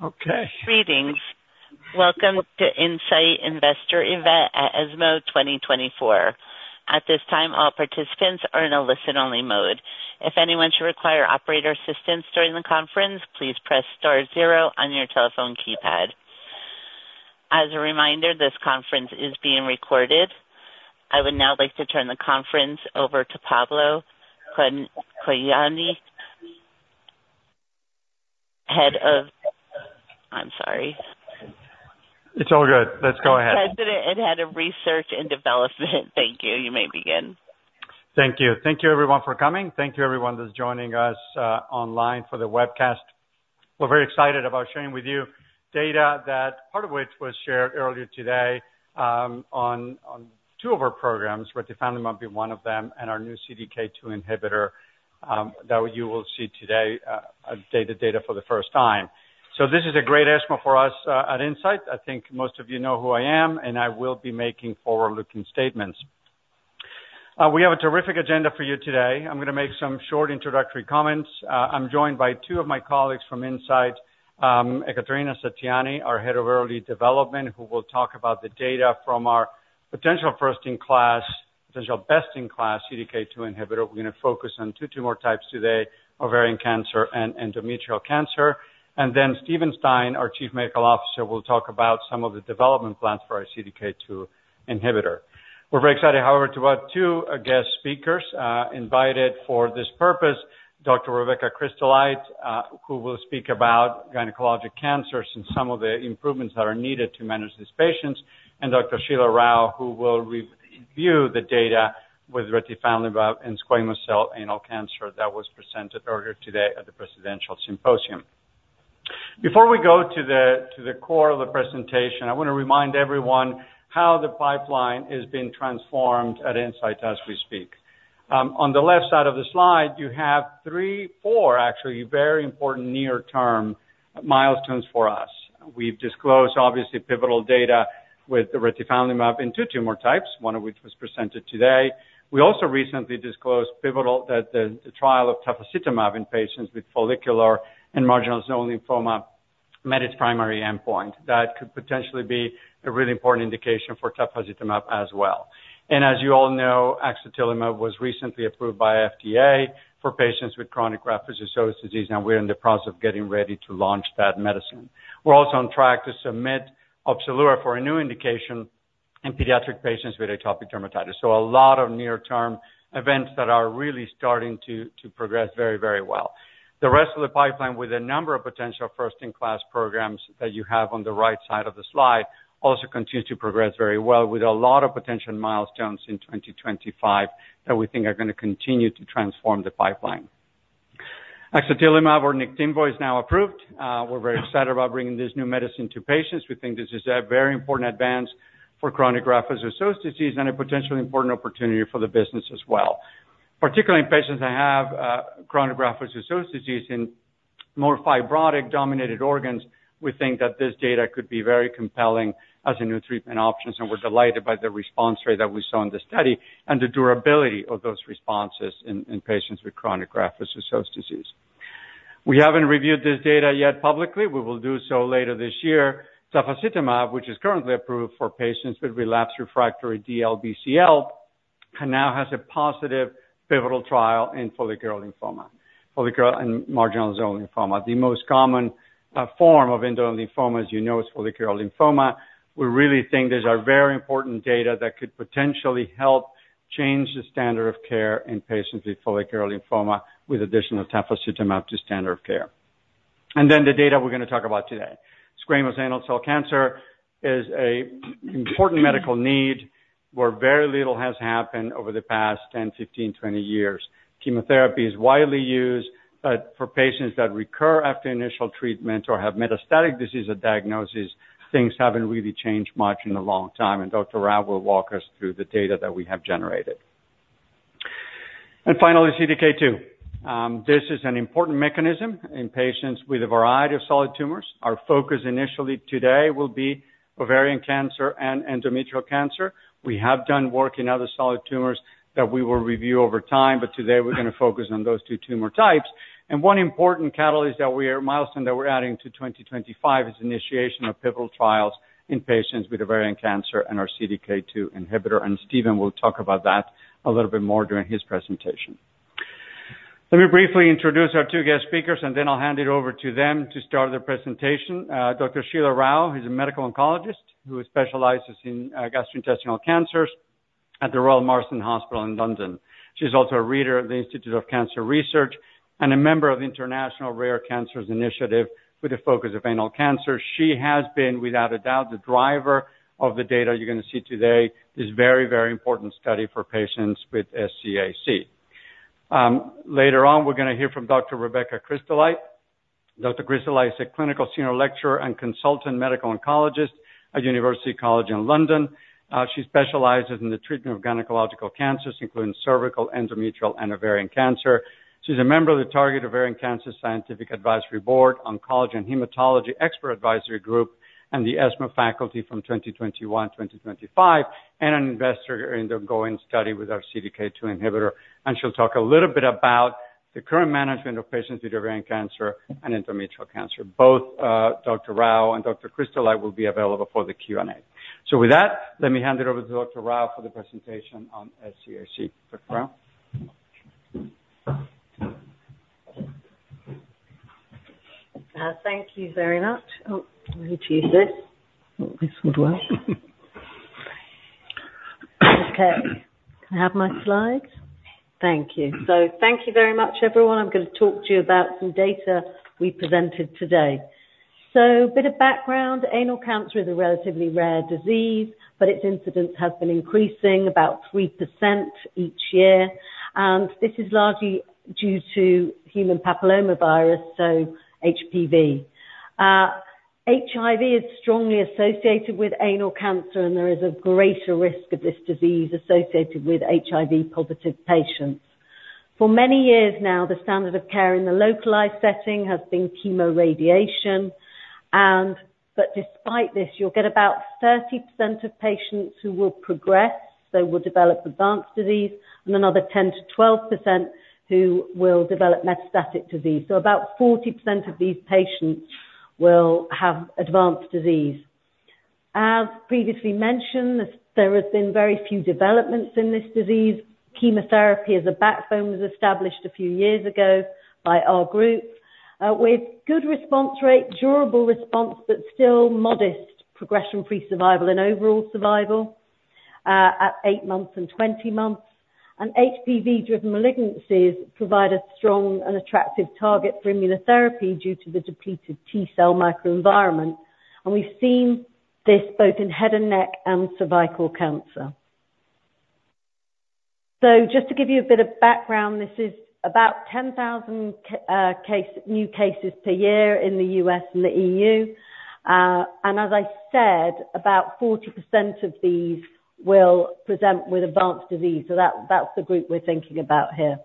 ...Okay. Greetings. Welcome to Incyte Investor Event at ESMO 2024. At this time, all participants are in a listen-only mode. If anyone should require operator assistance during the conference, please press star zero on your telephone keypad. As a reminder, this conference is being recorded. I would now like to turn the conference over to Pablo Cagnoni, head of. I'm sorry. It's all good. Let's go ahead. President and Head of Research and Development. Thank you. You may begin. Thank you. Thank you, everyone, for coming. Thank you, everyone, that's joining us online for the webcast. We're very excited about sharing with you data that part of which was shared earlier today on two of our programs, retifanlimab, one of them, and our new CDK2 inhibitor that you will see today data for the first time, so this is a great ESMO for us at Incyte. I think most of you know who I am, and I will be making forward-looking statements. We have a terrific agenda for you today. I'm gonna make some short introductory comments. I'm joined by two of my colleagues from Incyte, Ekaterina Setiani, our Head of Early Development, who will talk about the data from our potential first-in-class, potential best-in-class CDK2 inhibitor. We're gonna focus on two tumor types today, ovarian cancer and endometrial cancer, and then Steven Stein, our Chief Medical Officer, will talk about some of the development plans for our CDK2 inhibitor. We're very excited, however, to have two guest speakers invited for this purpose, Dr. Rebecca Kristeleit, who will speak about gynecologic cancers and some of the improvements that are needed to manage these patients, and Dr. Sheela Rao, who will re-review the data with retifanlimab and squamous cell anal cancer that was presented earlier today at the Presidential Symposium. Before we go to the core of the presentation, I wanna remind everyone how the pipeline is being transformed at Incyte as we speak. On the left side of the slide, you have three - four, actually, very important near-term milestones for us. We've disclosed, obviously, pivotal data with the retifanlimab in two tumor types, one of which was presented today. We also recently disclosed pivotal that the trial of tafasitamab in patients with follicular and marginal zone lymphoma met its primary endpoint. That could potentially be a really important indication for tafasitamab as well. And as you all know, axatilimab was recently approved by FDA for patients with chronic graft-versus-host disease, and we're in the process of getting ready to launch that medicine. We're also on track to submit Opzelura for a new indication in pediatric patients with atopic dermatitis. So a lot of near-term events that are really starting to progress very, very well. The rest of the pipeline, with a number of potential first-in-class programs that you have on the right side of the slide, also continues to progress very well, with a lot of potential milestones in 2025 that we think are gonna continue to transform the pipeline. Axatilimab, or Niktimvo, is now approved. We're very excited about bringing this new medicine to patients. We think this is a very important advance for chronic graft-versus-host disease and a potentially important opportunity for the business as well. Particularly in patients that have chronic graft-versus-host disease in more fibrotic-dominated organs, we think that this data could be very compelling as a new treatment option, and we're delighted by the response rate that we saw in the study and the durability of those responses in patients with chronic graft-versus-host disease. We haven't reviewed this data yet publicly. We will do so later this year. Tafasitamab, which is currently approved for patients with relapsed refractory DLBCL, and now has a positive pivotal trial in follicular lymphoma, follicular and marginal zone lymphoma. The most common form of indolent lymphoma, as you know, is follicular lymphoma. We really think these are very important data that could potentially help change the standard of care in patients with follicular lymphoma, with additional tafasitamab to standard of care. And then the data we're gonna talk about today. Squamous cell anal cancer is an important medical need where very little has happened over the past 10, 15, 20 years. Chemotherapy is widely used, but for patients that recur after initial treatment or have metastatic disease at diagnosis, things haven't really changed much in a long time, and Dr. Rao will walk us through the data that we have generated. And finally, CDK2. This is an important mechanism in patients with a variety of solid tumors. Our focus initially today will be ovarian cancer and endometrial cancer. We have done work in other solid tumors that we will review over time, but today we're gonna focus on those two tumor types. One important milestone that we're adding to 2025 is initiation of pivotal trials in patients with ovarian cancer and our CDK2 inhibitor, and Steven will talk about that a little bit more during his presentation. Let me briefly introduce our two guest speakers, and then I'll hand it over to them to start their presentation. Dr. Sheela Rao, who's a medical oncologist who specializes in gastrointestinal cancers at the Royal Marsden Hospital in London. She's also a reader at the Institute of Cancer Research and a member of the International Rare Cancers Initiative with a focus of anal cancer. She has been, without a doubt, the driver of the data you're gonna see today, this very, very important study for patients with SCAC. Later on, we're gonna hear from Dr. Rebecca Kristeleit. Dr. Kristeleit is a clinical senior lecturer and consultant medical oncologist at University College London. She specializes in the treatment of gynecological cancers, including cervical, endometrial, and ovarian cancer. She's a member of the Target Ovarian Cancer Scientific Advisory Board, Oncology and Hematology Expert Advisory Group, and the ESMO faculty from 2021 to 2025, and an investigator in the ongoing study with our CDK2 inhibitor, and she'll talk a little bit about the current management of patients with ovarian cancer and endometrial cancer. Both, Dr. Rao and Dr. Kristeleit will be available for the Q&A.... So with that, let me hand it over to Dr. Rao for the presentation on SCAC. Dr. Rao? Thank you very much. Oh, let me choose this. This would work. Okay. Can I have my slides? Thank you. So thank you very much, everyone. I'm gonna talk to you about some data we presented today. So a bit of background. Anal cancer is a relatively rare disease, but its incidence has been increasing about 3% each year. And this is largely due to human papillomavirus, so HPV. HIV is strongly associated with anal cancer, and there is a greater risk of this disease associated with HIV-positive patients. For many years now, the standard of care in the localized setting has been chemoradiation, but despite this, you'll get about 30% of patients who will progress. They will develop advanced disease, and another 10-12% who will develop metastatic disease. So about 40% of these patients will have advanced disease. As previously mentioned, there has been very few developments in this disease. Chemotherapy as a backbone was established a few years ago by our group, with good response rate, durable response, but still modest progression-free survival and overall survival, at eight months and 20 months. And HPV-driven malignancies provide a strong and attractive target for immunotherapy due to the depleted T cell microenvironment, and we've seen this both in head and neck and cervical cancer. So just to give you a bit of background, this is about 10,000 new cases per year in the U.S. and the E.U. And as I said, about 40% of these will present with advanced disease, so that's the group we're thinking about here.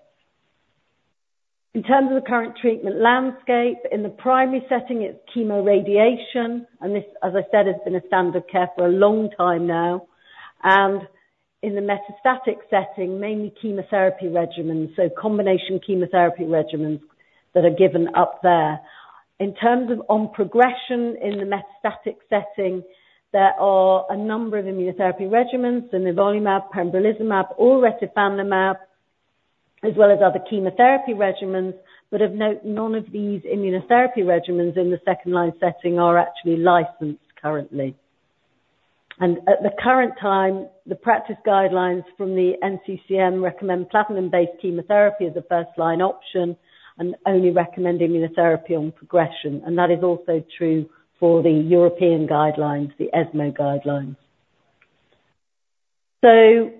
In terms of the current treatment landscape, in the primary setting, it's chemoradiation, and this, as I said, has been a standard of care for a long time now. And in the metastatic setting, mainly chemotherapy regimens, so combination chemotherapy regimens that are given up there. In terms of on progression in the metastatic setting, there are a number of immunotherapy regimens, nivolumab, pembrolizumab or retifanlimab, as well as other chemotherapy regimens, but of note, none of these immunotherapy regimens in the second line setting are actually licensed currently. And at the current time, the practice guidelines from the NCCN recommend platinum-based chemotherapy as a first-line option and only recommend immunotherapy on progression. And that is also true for the European guidelines, the ESMO guidelines. So,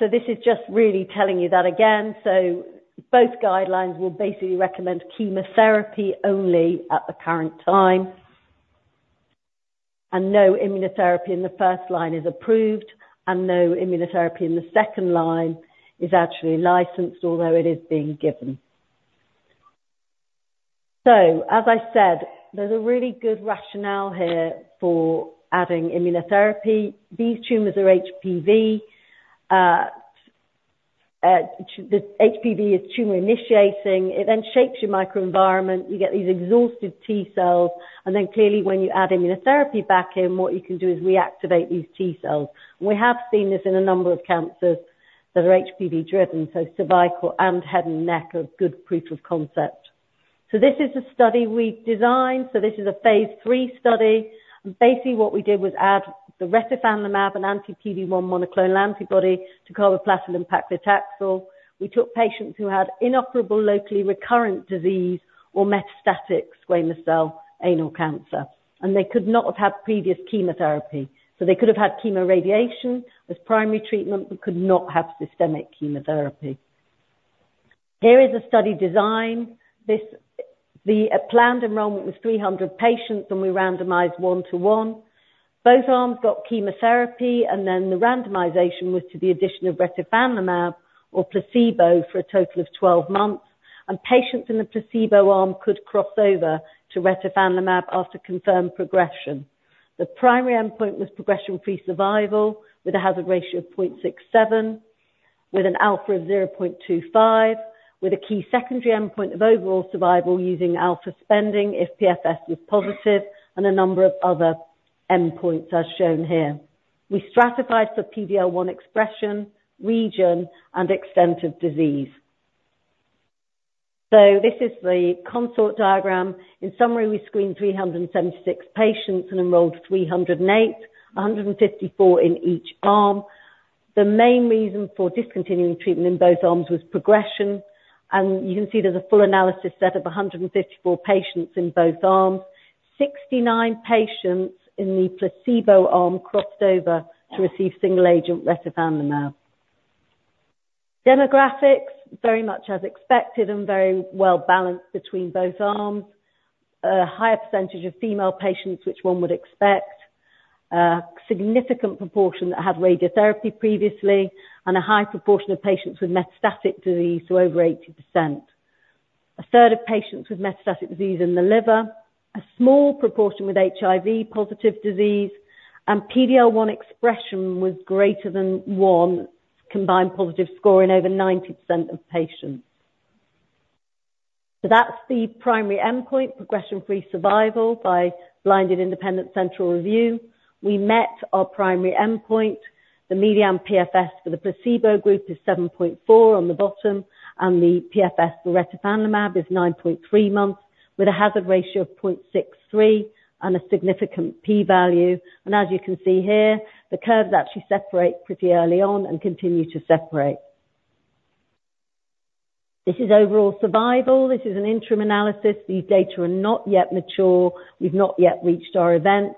this is just really telling you that again. So both guidelines will basically recommend chemotherapy only at the current time. No immunotherapy in the first line is approved, and no immunotherapy in the second line is actually licensed, although it is being given. As I said, there's a really good rationale here for adding immunotherapy. These tumors are HPV. The HPV is tumor-initiating. It then shapes your microenvironment. You get these exhausted T cells, and then clearly, when you add immunotherapy back in, what you can do is reactivate these T cells. We have seen this in a number of cancers that are HPV-driven, so cervical and head and neck are good proof of concept. This is a study we've designed. This is a phase three study, and basically what we did was add the retifanlimab and anti-PD-1 monoclonal antibody to carboplatin and paclitaxel. We took patients who had inoperable, locally recurrent disease or metastatic squamous cell anal cancer, and they could not have had previous chemotherapy, so they could have had chemoradiation as primary treatment, but could not have systemic chemotherapy. Here is a study design. The planned enrollment was 300 patients, and we randomized 1 to 1. Both arms got chemotherapy, and then the randomization was to the addition of retifanlimab or placebo for a total of 12 months, and patients in the placebo arm could cross over to retifanlimab after confirmed progression. The primary endpoint was progression-free survival, with a hazard ratio of 0.67, with an alpha of 0.25, with a key secondary endpoint of overall survival using alpha spending if PFS was positive, and a number of other endpoints are shown here. We stratified for PD-L1 expression, region, and extent of disease. So this is the CONSORT diagram. In summary, we screened 376 patients and enrolled 308, 154 in each arm. The main reason for discontinuing treatment in both arms was progression, and you can see there's a full analysis set of 154 patients in both arms. 69 patients in the placebo arm crossed over to receive single agent retifanlimab. Demographics, very much as expected and very well-balanced between both arms. A higher percentage of female patients, which one would expect. A significant proportion that had radiotherapy previously, and a high proportion of patients with metastatic disease, so over 80%. A third of patients with metastatic disease in the liver, a small proportion with HIV-positive disease, and PD-L1 expression was greater than 1, combined positive score in over 90% of patients. So that's the primary endpoint, progression-free survival by blinded independent central review. We met our primary endpoint. The median PFS for the placebo group is 7.4 on the bottom, and the PFS for retifanlimab is 9.3 months, with a hazard ratio of 0.63 and a significant P value. And as you can see here, the curves actually separate pretty early on and continue to separate. This is overall survival. This is an interim analysis. These data are not yet mature. We've not yet reached our events,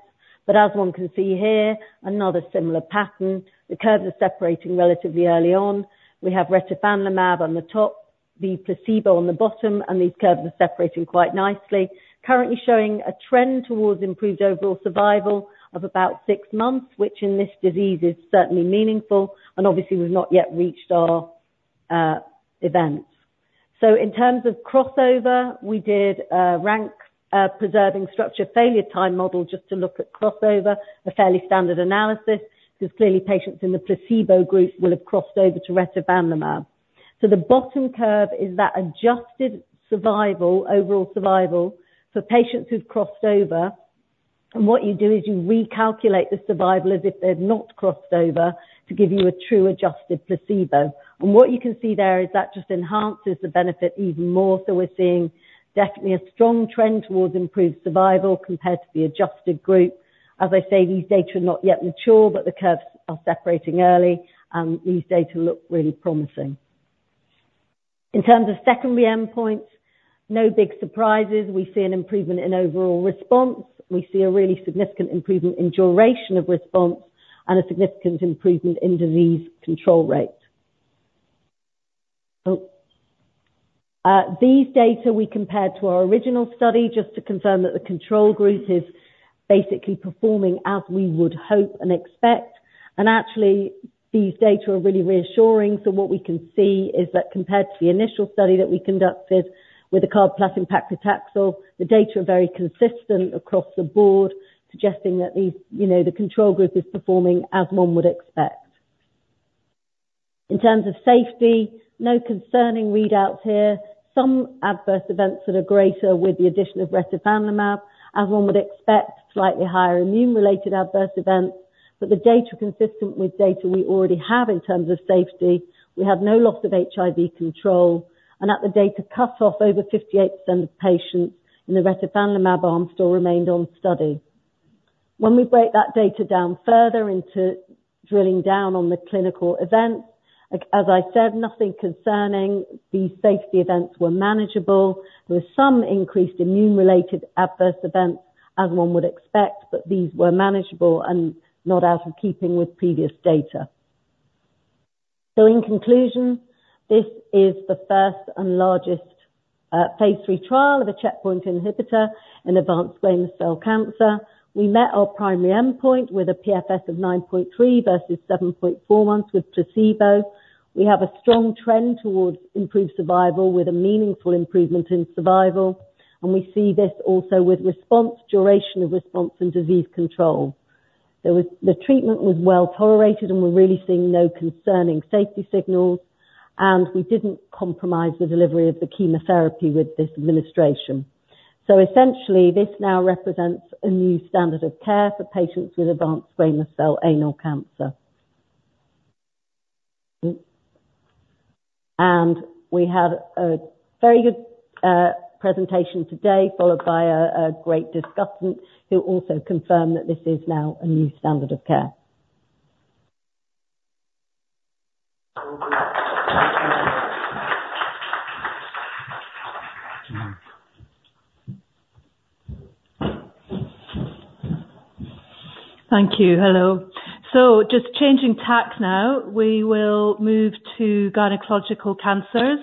but as one can see here, another similar pattern. The curves are separating relatively early on. We have retifanlimab on the top, the placebo on the bottom, and these curves are separating quite nicely, currently showing a trend towards improved overall survival of about six months, which in this disease is certainly meaningful, and obviously, we've not yet reached our events. So in terms of crossover, we did a rank preserving structure failure time model just to look at crossover, a fairly standard analysis, because clearly patients in the placebo group will have crossed over to retifanlimab. So the bottom curve is that adjusted survival, overall survival, for patients who've crossed over. And what you do is you recalculate the survival as if they've not crossed over, to give you a true adjusted placebo. And what you can see there is that just enhances the benefit even more. So we're seeing definitely a strong trend towards improved survival compared to the adjusted group. As I say, these data are not yet mature, but the curves are separating early, and these data look really promising. In terms of secondary endpoints, no big surprises. We see an improvement in overall response. We see a really significant improvement in duration of response and a significant improvement in disease control rate. Oh, these data we compared to our original study just to confirm that the control group is basically performing as we would hope and expect. And actually, these data are really reassuring. So what we can see is that compared to the initial study that we conducted with the carb plus paclitaxel, the data are very consistent across the board, suggesting that these, you know, the control group is performing as one would expect. In terms of safety, no concerning readouts here. Some adverse events that are greater with the addition of retifanlimab, as one would expect, slightly higher immune-related adverse events. But the data are consistent with data we already have in terms of safety. We have no loss of HIV control, and at the data cutoff, over 58% of patients in the retifanlimab arm still remained on study. When we break that data down further into drilling down on the clinical events, as I said, nothing concerning. These safety events were manageable. There was some increased immune-related adverse events, as one would expect, but these were manageable and not out of keeping with previous data. So in conclusion, this is the first and largest phase 3 trial of a checkpoint inhibitor in advanced squamous cell cancer. We met our primary endpoint with a PFS of 9.3 versus 7.4 months with placebo. We have a strong trend towards improved survival, with a meaningful improvement in survival, and we see this also with response, duration of response, and disease control. The treatment was well tolerated, and we're really seeing no concerning safety signals, and we didn't compromise the delivery of the chemotherapy with this administration. So essentially, this now represents a new standard of care for patients with advanced squamous cell anal cancer. And we have a very good presentation today, followed by a great discussant, who will also confirm that this is now a new standard of care. Thank you. Hello. Just changing tack now, we will move to gynecological cancers.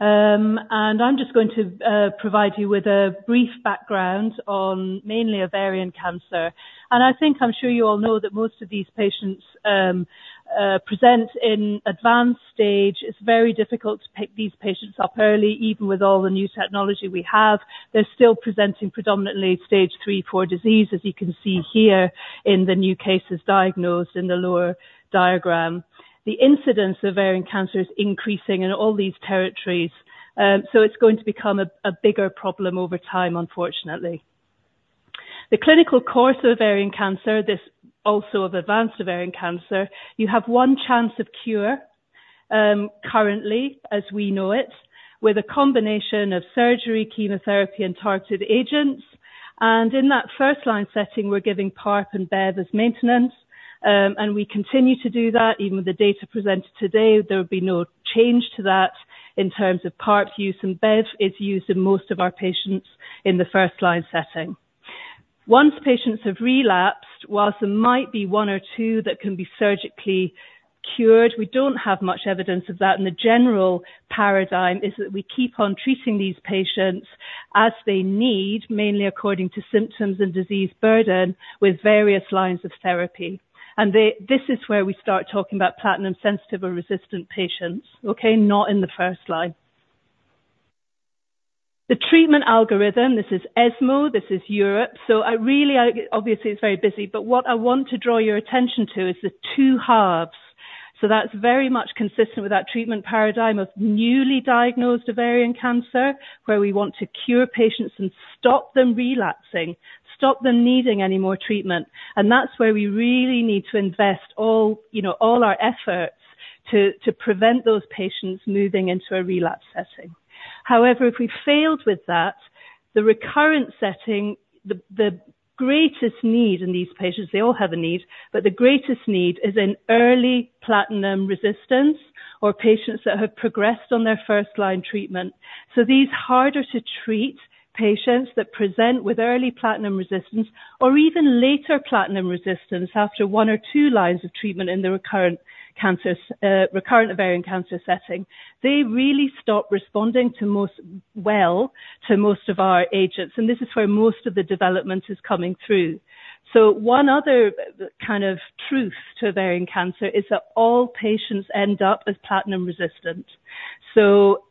I'm just going to provide you with a brief background on mainly ovarian cancer. I think I'm sure you all know that most of these patients present in advanced stage. It's very difficult to pick these patients up early, even with all the new technology we have. They're still presenting predominantly stage three, four disease, as you can see here in the new cases diagnosed in the lower diagram. The incidence of ovarian cancer is increasing in all these territories, so it's going to become a bigger problem over time, unfortunately. The clinical course of ovarian cancer, this also of advanced ovarian cancer, you have one chance of cure, currently, as we know it, with a combination of surgery, chemotherapy, and targeted agents. In that first-line setting, we're giving PARP and BEP as maintenance, and we continue to do that. Even with the data presented today, there will be no change to that in terms of PARP's use, and BEP is used in most of our patients in the first-line setting. Once patients have relapsed, whilst there might be one or two that can be surgically cured, we don't have much evidence of that, and the general paradigm is that we keep on treating these patients as they need, mainly according to symptoms and disease burden, with various lines of therapy. This is where we start talking about platinum sensitive or resistant patients, okay? Not in the first line. The treatment algorithm, this is ESMO, this is Europe. So I really, obviously, it's very busy, but what I want to draw your attention to is the two halves.... That's very much consistent with that treatment paradigm of newly diagnosed ovarian cancer, where we want to cure patients and stop them relapsing, stop them needing any more treatment. That's where we really need to invest all, you know, all our efforts to prevent those patients moving into a relapse setting. However, if we failed with that, the recurrent setting, the greatest need in these patients, they all have a need, but the greatest need is in early platinum resistance or patients that have progressed on their first-line treatment. These harder to treat patients that present with early platinum resistance or even later platinum resistance after one or two lines of treatment in the recurrent cancers, recurrent ovarian cancer setting, they really stop responding to most, to most of our agents, and this is where most of the development is coming through. So one other kind of truth to ovarian cancer is that all patients end up as platinum resistant. So,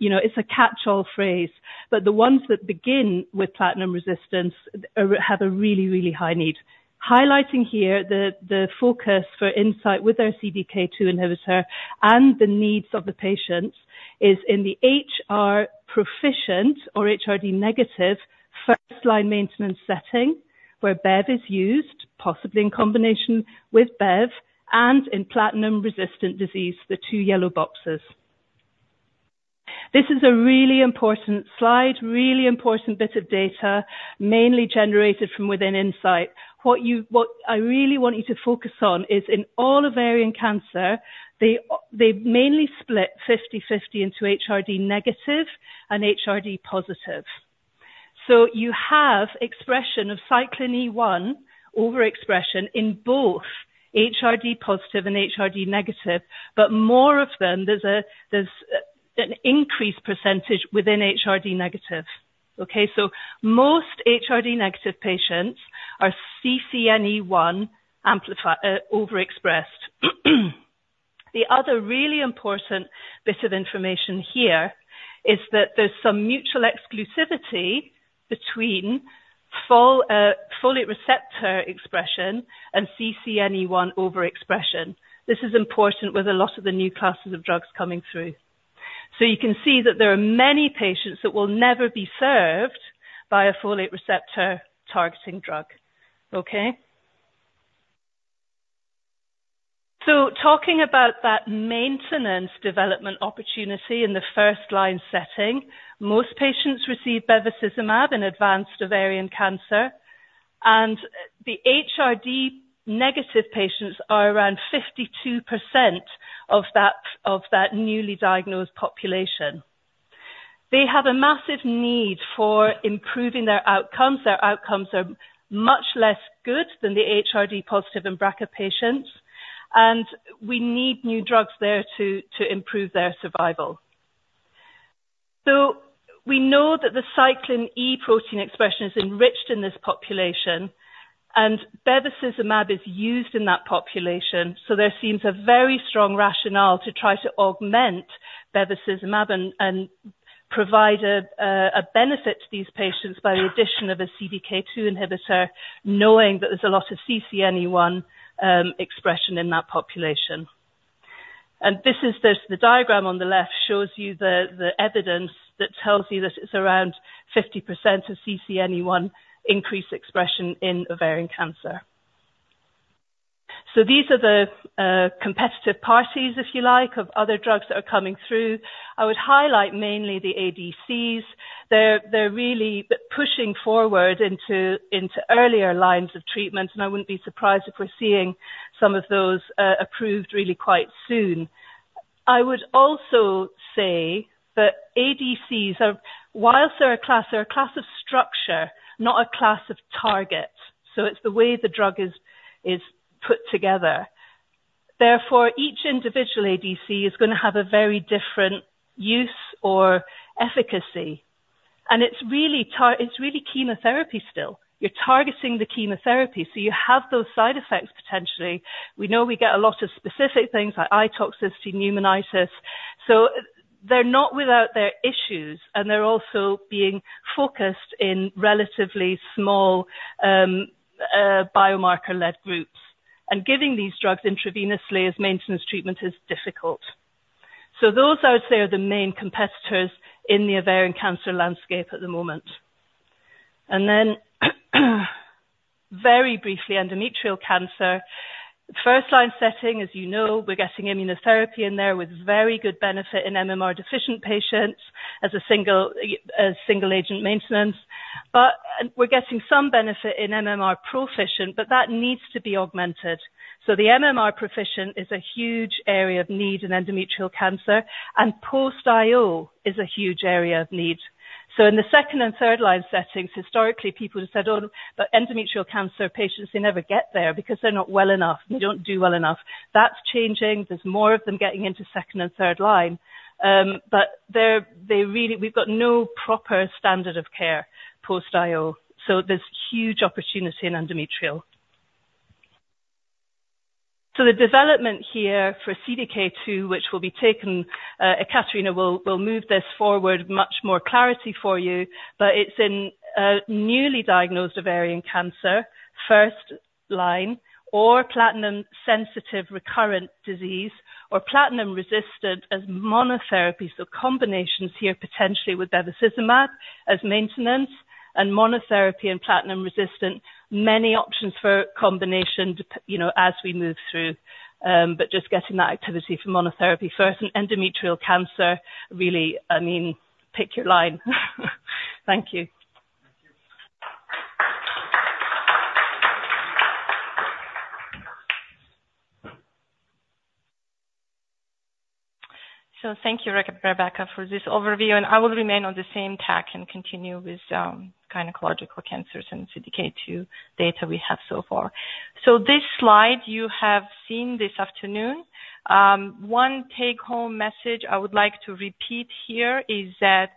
you know, it's a catch-all phrase, but the ones that begin with platinum resistance are, have a really, really high need. Highlighting here, the focus for Incyte with our CDK2 inhibitor and the needs of the patients is in the HR proficient or HRD negative first-line maintenance setting, where Bev is used, possibly in combination with Bev and in platinum-resistant disease, the two yellow boxes. This is a really important slide, really important bit of data, mainly generated from within Incyte. What I really want you to focus on is in all ovarian cancer, they mainly split fifty/fifty into HRD negativeand HRD positive. You have expression of cyclin E1, overexpression in both HRD positive and HRD negative, but more of them. There's an increased percentage within HRD negative. Okay, so most HRD negative patients are CCNE1 amplifier, overexpressed. The other really important bit of information here is that there's some mutual exclusivity between fully receptor expression and CCNE1 overexpression. This is important with a lot of the new classes of drugs coming through. You can see that there are many patients that will never be served by a folate receptor targeting drug. Okay? Talking about that maintenance development opportunity in the first-line setting, most patients receive bevacizumab in advanced ovarian cancer, and the HRD negative patients are around 52% of that newly diagnosed population. They have a massive need for improving their outcomes. Their outcomes are much less good than the HRD positive and BRCA patients, and we need new drugs there to improve their survival. So we know that the cyclin E protein expression is enriched in this population, and bevacizumab is used in that population, so there seems a very strong rationale to try to augment bevacizumab and provide a benefit to these patients by the addition of a CDK2 inhibitor, knowing that there's a lot of CCNE1 expression in that population. And this is the diagram on the left shows you the evidence that tells you that it's around 50% of CCNE1 increased expression in ovarian cancer. So these are the competitive parties, if you like, of other drugs that are coming through. I would highlight mainly the ADCs. They're really pushing forward into earlier lines of treatment, and I wouldn't be surprised if we're seeing some of those approved really quite soon. I would also say that ADCs are whilst they're a class, they're a class of structure, not a class of target, so it's the way the drug is put together. Therefore, each individual ADC is gonna have a very different use or efficacy, and it's really chemotherapy still. You're targeting the chemotherapy, so you have those side effects potentially. We know we get a lot of specific things like eye toxicity, pneumonitis, so they're not without their issues, and they're also being focused in relatively small biomarker-led groups, and giving these drugs intravenously as maintenance treatment is difficult. So those, I would say, are the main competitors in the ovarian cancer landscape at the moment. And then, very briefly, endometrial cancer. First-line setting, as you know, we're getting immunotherapy in there with very good benefit in MMR deficient patients as a single agent maintenance. But, we're getting some benefit in MMR proficient, but that needs to be augmented. So the MMR proficient is a huge area of need in endometrial cancer, and post-IO is a huge area of need. So in the second and third line settings, historically, people have said, "Oh, but endometrial cancer patients, they never get there because they're not well enough. They don't do well enough." That's changing. There's more of them getting into second and third line, but they really. We've got no proper standard of care post-IO, so there's huge opportunity in endometrial.... So the development here for CDK2, which will be taken, Ekaterina will move this forward much more clarity for you, but it's in a newly diagnosed ovarian cancer, first line, or platinum sensitive recurrent disease, or platinum resistant as monotherapy. Combinations here potentially with bevacizumab as maintenance and monotherapy and platinum resistant. Many options for combination, you know, as we move through, but just getting that activity for monotherapy first and endometrial cancer, really, I mean, pick your line. Thank you. Thank you, Rebecca, for this overview, and I will remain on the same tack and continue with gynecologic cancers and CDK2 data we have so far. This slide you have seen this afternoon. One take home message I would like to repeat here is that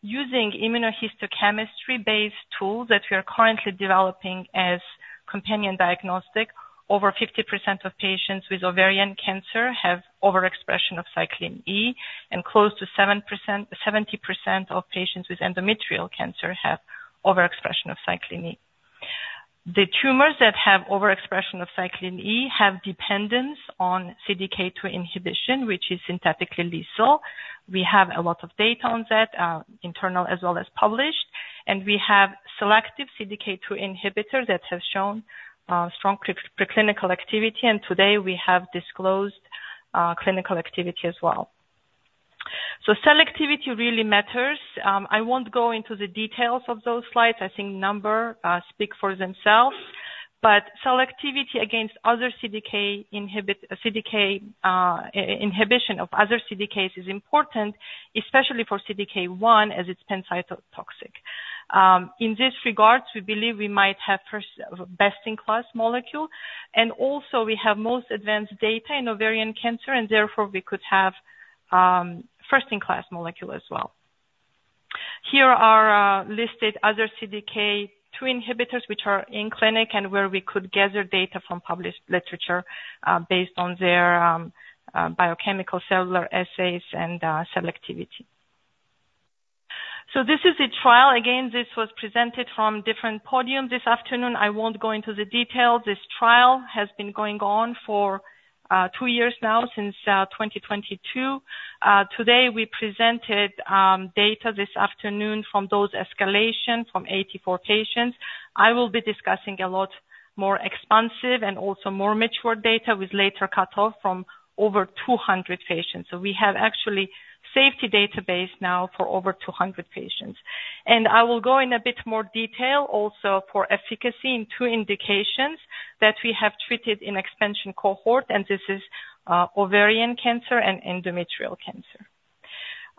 using immunohistochemistry-based tools that we are currently developing as companion diagnostic, over 50% of patients with ovarian cancer have overexpression of cyclin E, and close to 70% of patients with endometrial cancer have overexpression of cyclin E. The tumors that have overexpression of cyclin E have dependence on CDK2 inhibition, which is synthetically lethal. We have a lot of data on that, internal as well as published, and we have selective CDK2 inhibitor that have shown strong preclinical activity, and today we have disclosed clinical activity as well. Selectivity really matters. I won't go into the details of those slides. I think numbers speak for themselves, but selectivity against other CDK inhibition of other CDKs is important, especially for CDK1, as it's pan cytotoxic. In this regard, we believe we might have first best-in-class molecule, and also we have most advanced data in ovarian cancer, and therefore, we could have first-in-class molecule as well. Here are listed other CDK2 inhibitors, which are in clinic, and where we could gather data from published literature based on their biochemical cellular assays and selectivity. So this is the trial. Again, this was presented from different podium this afternoon. I won't go into the details. This trial has been going on for two years now, since 2022. Today, we presented data this afternoon from dose escalation from 84 patients. I will be discussing a lot more expansive and also more mature data with later cutoff from over 200 patients. So we have actually safety database now for over 200 patients. And I will go in a bit more detail also for efficacy in two indications that we have treated in expansion cohort, and this is ovarian cancer and endometrial cancer.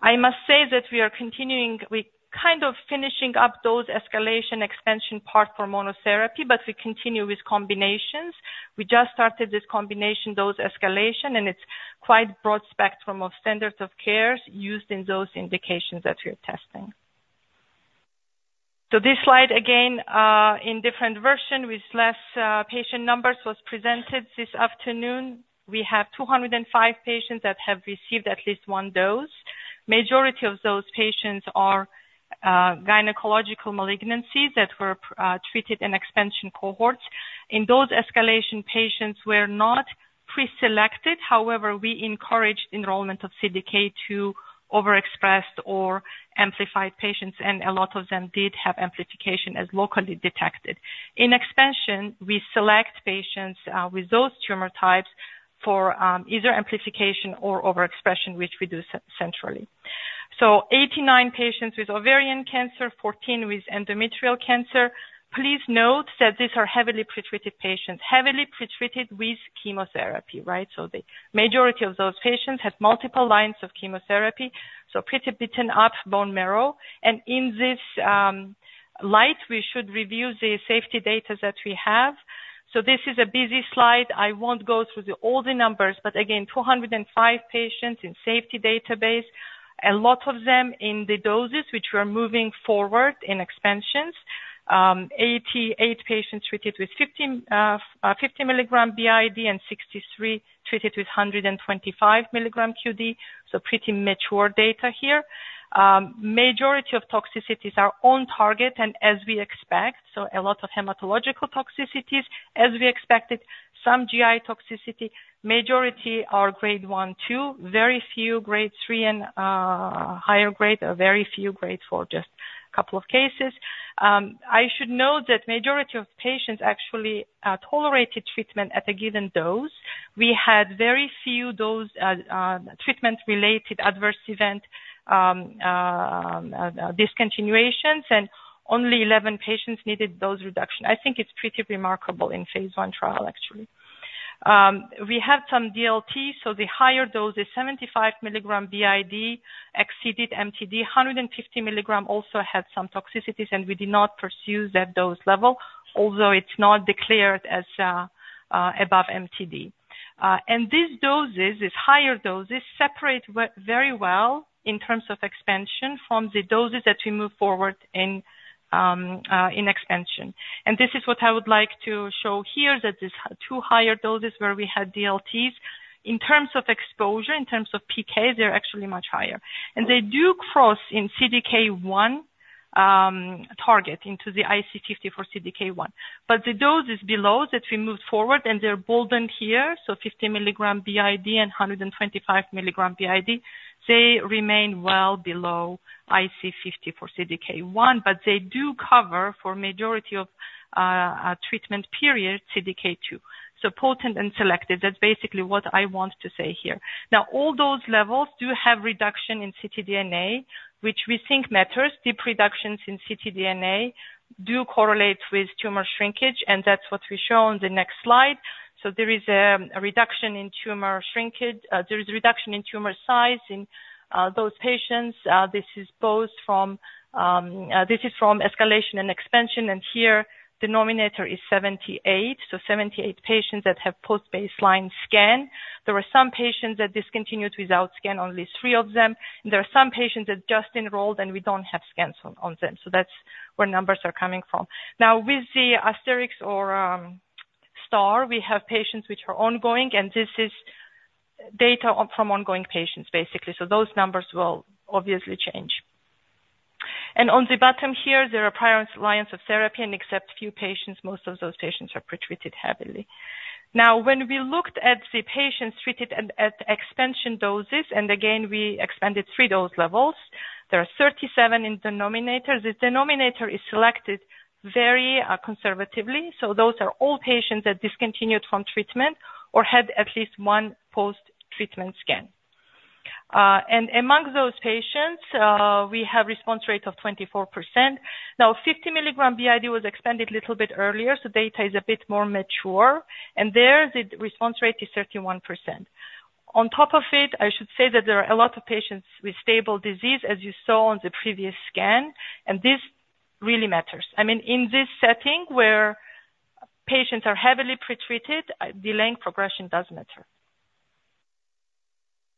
I must say that we are continuing. We kind of finishing up those dose escalation-expansion part for monotherapy, but we continue with combinations. We just started this combination dose escalation, and it's quite broad spectrum of standards of care used in those indications that we are testing. So this slide, again, in different version with less patient numbers, was presented this afternoon. We have 205 patients that have received at least one dose. Majority of those patients are gynecological malignancies that were treated in expansion cohorts. In those escalation patients were not preselected, however, we encouraged enrollment of CDK2 overexpressed or amplified patients, and a lot of them did have amplification as locally detected. In expansion, we select patients with those tumor types for either amplification or overexpression, which we do centrally. So 89 patients with ovarian cancer, 14 with endometrial cancer. Please note that these are heavily pretreated patients. Heavily pretreated with chemotherapy, right? So the majority of those patients had multiple lines of chemotherapy, so pretty beaten up bone marrow. In this light, we should review the safety data that we have. So this is a busy slide. I won't go through all the numbers, but again, 205 patients in safety database, a lot of them in the doses which we are moving forward in expansions. Eighty-eight patients treated with 15, 50 milligram BID, and 63 treated with 125 milligram QD, so pretty mature data here. Majority of toxicities are on target and as we expect, so a lot of hematological toxicities. As we expected, some GI toxicity, majority are grade 1, 2, very few grade 3 and higher grade, or very few grade 4, just a couple of cases. I should note that majority of patients actually tolerated treatment at a given dose. We had very few dose treatment-related adverse event discontinuations, and only 11 patients needed dose reduction. I think it's pretty remarkable in phase I trial, actually. We had some DLT, so the higher dose is 75 milligram BID, exceeded MTD. 150 milligram also had some toxicities, and we did not pursue that dose level, although it's not declared as above MTD. These doses, these higher doses, separate very well in terms of expansion from the doses that we move forward in expansion. This is what I would like to show here, that these two higher doses where we had DLTs. In terms of exposure, in terms of PK, they're actually much higher. They do cross in CDK1 target into the IC50 for CDK1. But the dose is below that we moved forward and they're bolded here, so 50 mg BID and 125 mg BID. They remain well below IC50 for CDK1, but they do cover the majority of treatment period CDK2. So potent and selective, that's basically what I want to say here. Now, all those levels do have reduction in ctDNA, which we think matters. Deep reductions in ctDNA do correlate with tumor shrinkage, and that's what we show on the next slide. So there is a reduction in tumor size in those patients. This is both from escalation and expansion, and here denominator is 78. So 78 patients that have post-baseline scan. There were some patients that discontinued without scan, only 3 of them. There are some patients that just enrolled, and we don't have scans on them. So that's where numbers are coming from. Now, with the asterisks or star, we have patients which are ongoing, and this is data from ongoing patients, basically. So those numbers will obviously change. On the bottom here, there are prior lines of therapy, and except few patients, most of those patients are pretreated heavily. Now, when we looked at the patients treated at expansion doses, and again, we expanded three dose levels, there are 37 in denominator. The denominator is selected very conservatively, so those are all patients that discontinued from treatment or had at least one post-treatment scan. And among those patients, we have response rate of 24%. Now, 50 milligram BID was expanded a little bit earlier, so data is a bit more mature, and there the response rate is 31%. On top of it, I should say that there are a lot of patients with stable disease, as you saw on the previous scan, and this really matters. I mean, in this setting where patients are heavily pretreated, delaying progression does matter.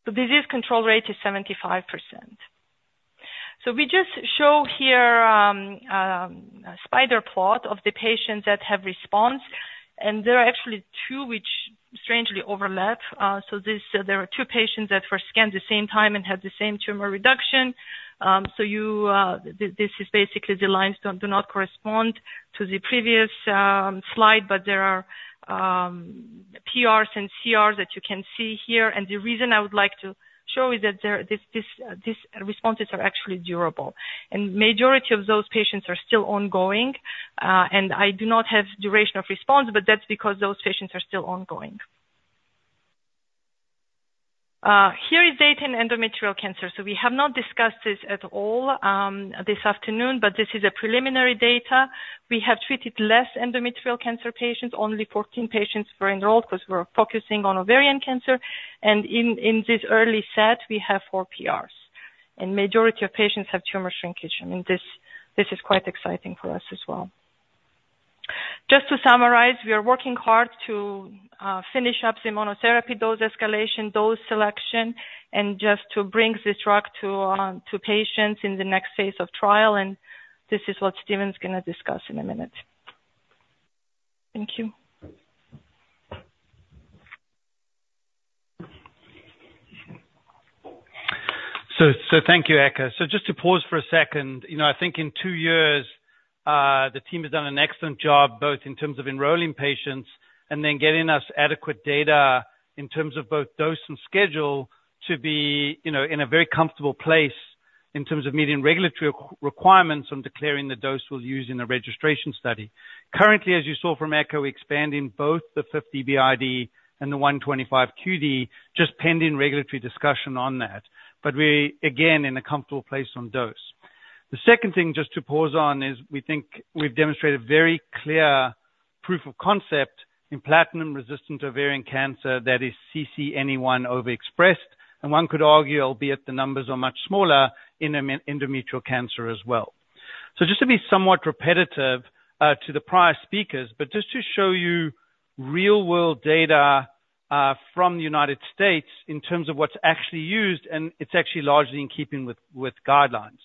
The disease control rate is 75%. So we just show here a spider plot of the patients that have response, and there are actually two which strangely overlap. So this, there are two patients that were scanned the same time and had the same tumor reduction. This is basically the lines don't do not correspond to the previous slide, but there are PRs and CRs that you can see here. And the reason I would like to show is that these responses are actually durable. The majority of those patients are still ongoing, and I do not have duration of response, but that's because those patients are still ongoing. Here is data in endometrial cancer. We have not discussed this at all this afternoon, but this is a preliminary data. We have treated less endometrial cancer patients. Only 14 patients were enrolled because we're focusing on ovarian cancer, and in this early set, we have 4 PRs, and majority of patients have tumor shrinkage. I mean, this is quite exciting for us as well. Just to summarize, we are working hard to finish up the monotherapy dose escalation, dose selection, and just to bring this drug to patients in the next phase of trial, and this is what Stephen's gonna discuss in a minute. Thank you. Thank you, Eka. Just to pause for a second, you know, I think in two years, the team has done an excellent job, both in terms of enrolling patients and then getting us adequate data in terms of both dose and schedule to be, you know, in a very comfortable place in terms of meeting regulatory requirements on declaring the dose we'll use in the registration study. Currently, as you saw from Eka, we're expanding both the 50 BID and the 125 QD, just pending regulatory discussion on that, but we're, again, in a comfortable place on dose. The second thing just to pause on is we think we've demonstrated very clear proof of concept in platinum-resistant ovarian cancer that is CCNE1 overexpressed, and one could argue, albeit the numbers are much smaller in endometrial cancer as well. So just to be somewhat repetitive to the prior speakers, but just to show you real-world data from the United States in terms of what's actually used, and it's actually largely in keeping with guidelines.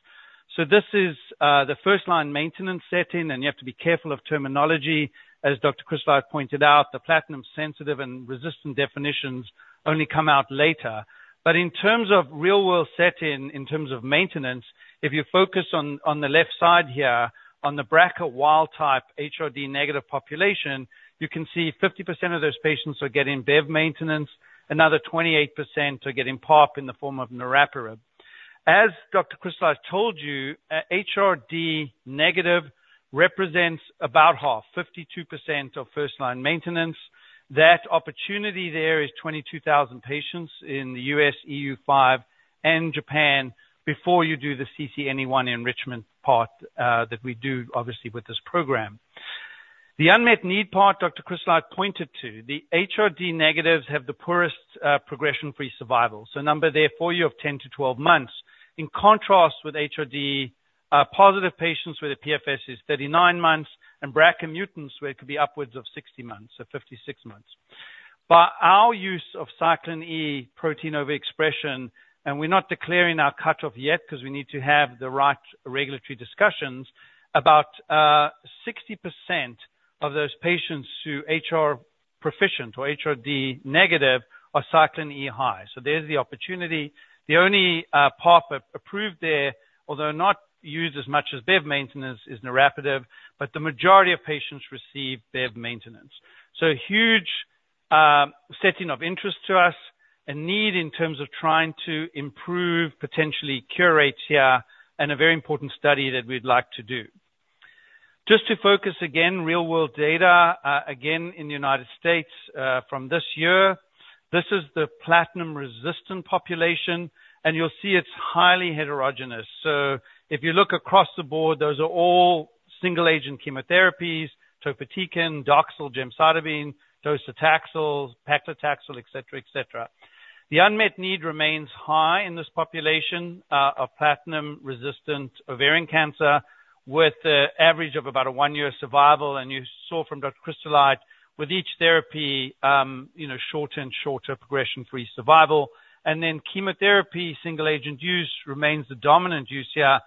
So this is the first-line maintenance setting, and you have to be careful of terminology. As Dr. Kristeleit pointed out, the platinum sensitive and resistant definitions only come out later. But in terms of real-world setting, in terms of maintenance, if you focus on the left side here, on the BRCA wild type HRD negative population, you can see 50% of those patients are getting Bev maintenance. Another 28% are getting PARP in the form of niraparib. As Dr. Kristeleit told you, HRD negative represents about half, 52% of first-line maintenance. That opportunity there is 22,000 patients in the U.S., EU5, and Japan before you do the CCNE1 enrichment part, that we do obviously with this program. The unmet need part Dr. Kristeleit pointed to, the HRD negatives have the poorest progression-free survival. So number there for you of 10 to 12 months, in contrast with HRD positive patients where the PFS is 39 months, and BRCA mutants, where it could be upwards of 60 months or 56 months. Our use of cyclin E protein overexpression, and we're not declaring our cutoff yet, because we need to have the right regulatory discussions, about 60% of those patients who HR proficient or HRD negative are cyclin E high. So there's the opportunity. The only PARP-approved there, although not used as much as Bev maintenance, is niraparib, but the majority of patients receive Bev maintenance. So huge setting of interest to us and need in terms of trying to improve, potentially cure rates here, and a very important study that we'd like to do. Just to focus again, real world data, again, in the United States, from this year. This is the platinum-resistant population, and you'll see it's highly heterogeneous. So if you look across the board, those are all single agent chemotherapies, topotecan, Doxil, gemcitabine, docetaxel, paclitaxel, et cetera, et cetera. The unmet need remains high in this population of platinum-resistant ovarian cancer, with average of about a one-year survival. And you saw from Dr. Kristeleit, with each therapy, you know, shorter and shorter progression-free survival. Chemotherapy, single agent use, remains the dominant use here,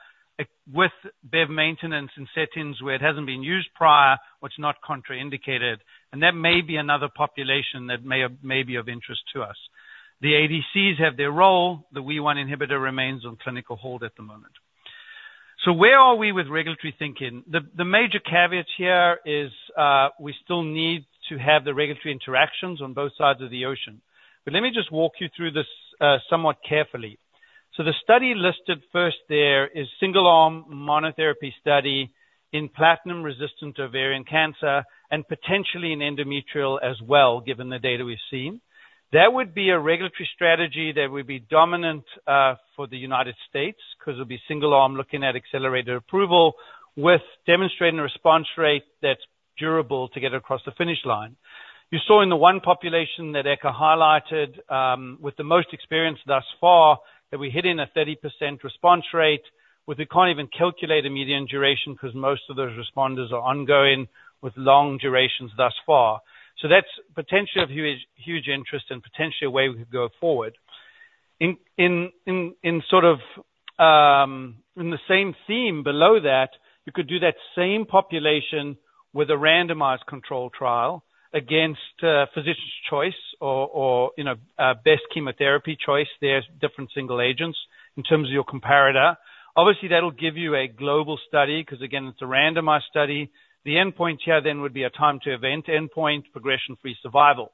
with Bev maintenance in settings where it hasn't been used prior, which not contraindicated. That may be another population that may be of interest to us. The ADCs have their role. The WEE1 inhibitor remains on clinical hold at the moment. Where are we with regulatory thinking? The major caveat here is, we still need to have the regulatory interactions on both sides of the ocean. Let me just walk you through this somewhat carefully. The study listed first there is single-arm monotherapy study in platinum-resistant ovarian cancer and potentially in endometrial as well, given the data we've seen. That would be a regulatory strategy that would be dominant for the United States, 'cause it'll be single-arm, looking at accelerated approval, with demonstrating a response rate that's durable to get across the finish line. You saw in the one population that Eka highlighted, with the most experience thus far, that we're hitting a 30% response rate, but we can't even calculate a median duration, 'cause most of those responders are ongoing with long durations thus far. So that's potentially of huge, huge interest and potentially a way we could go forward. In sort of, in the same theme below that, you could do that same population with a randomized control trial against physician's choice or you know best chemotherapy choice. There's different single agents in terms of your comparator. Obviously, that'll give you a global study, 'cause, again, it's a randomized study. The endpoint here then would be a time to event endpoint, progression-free survival.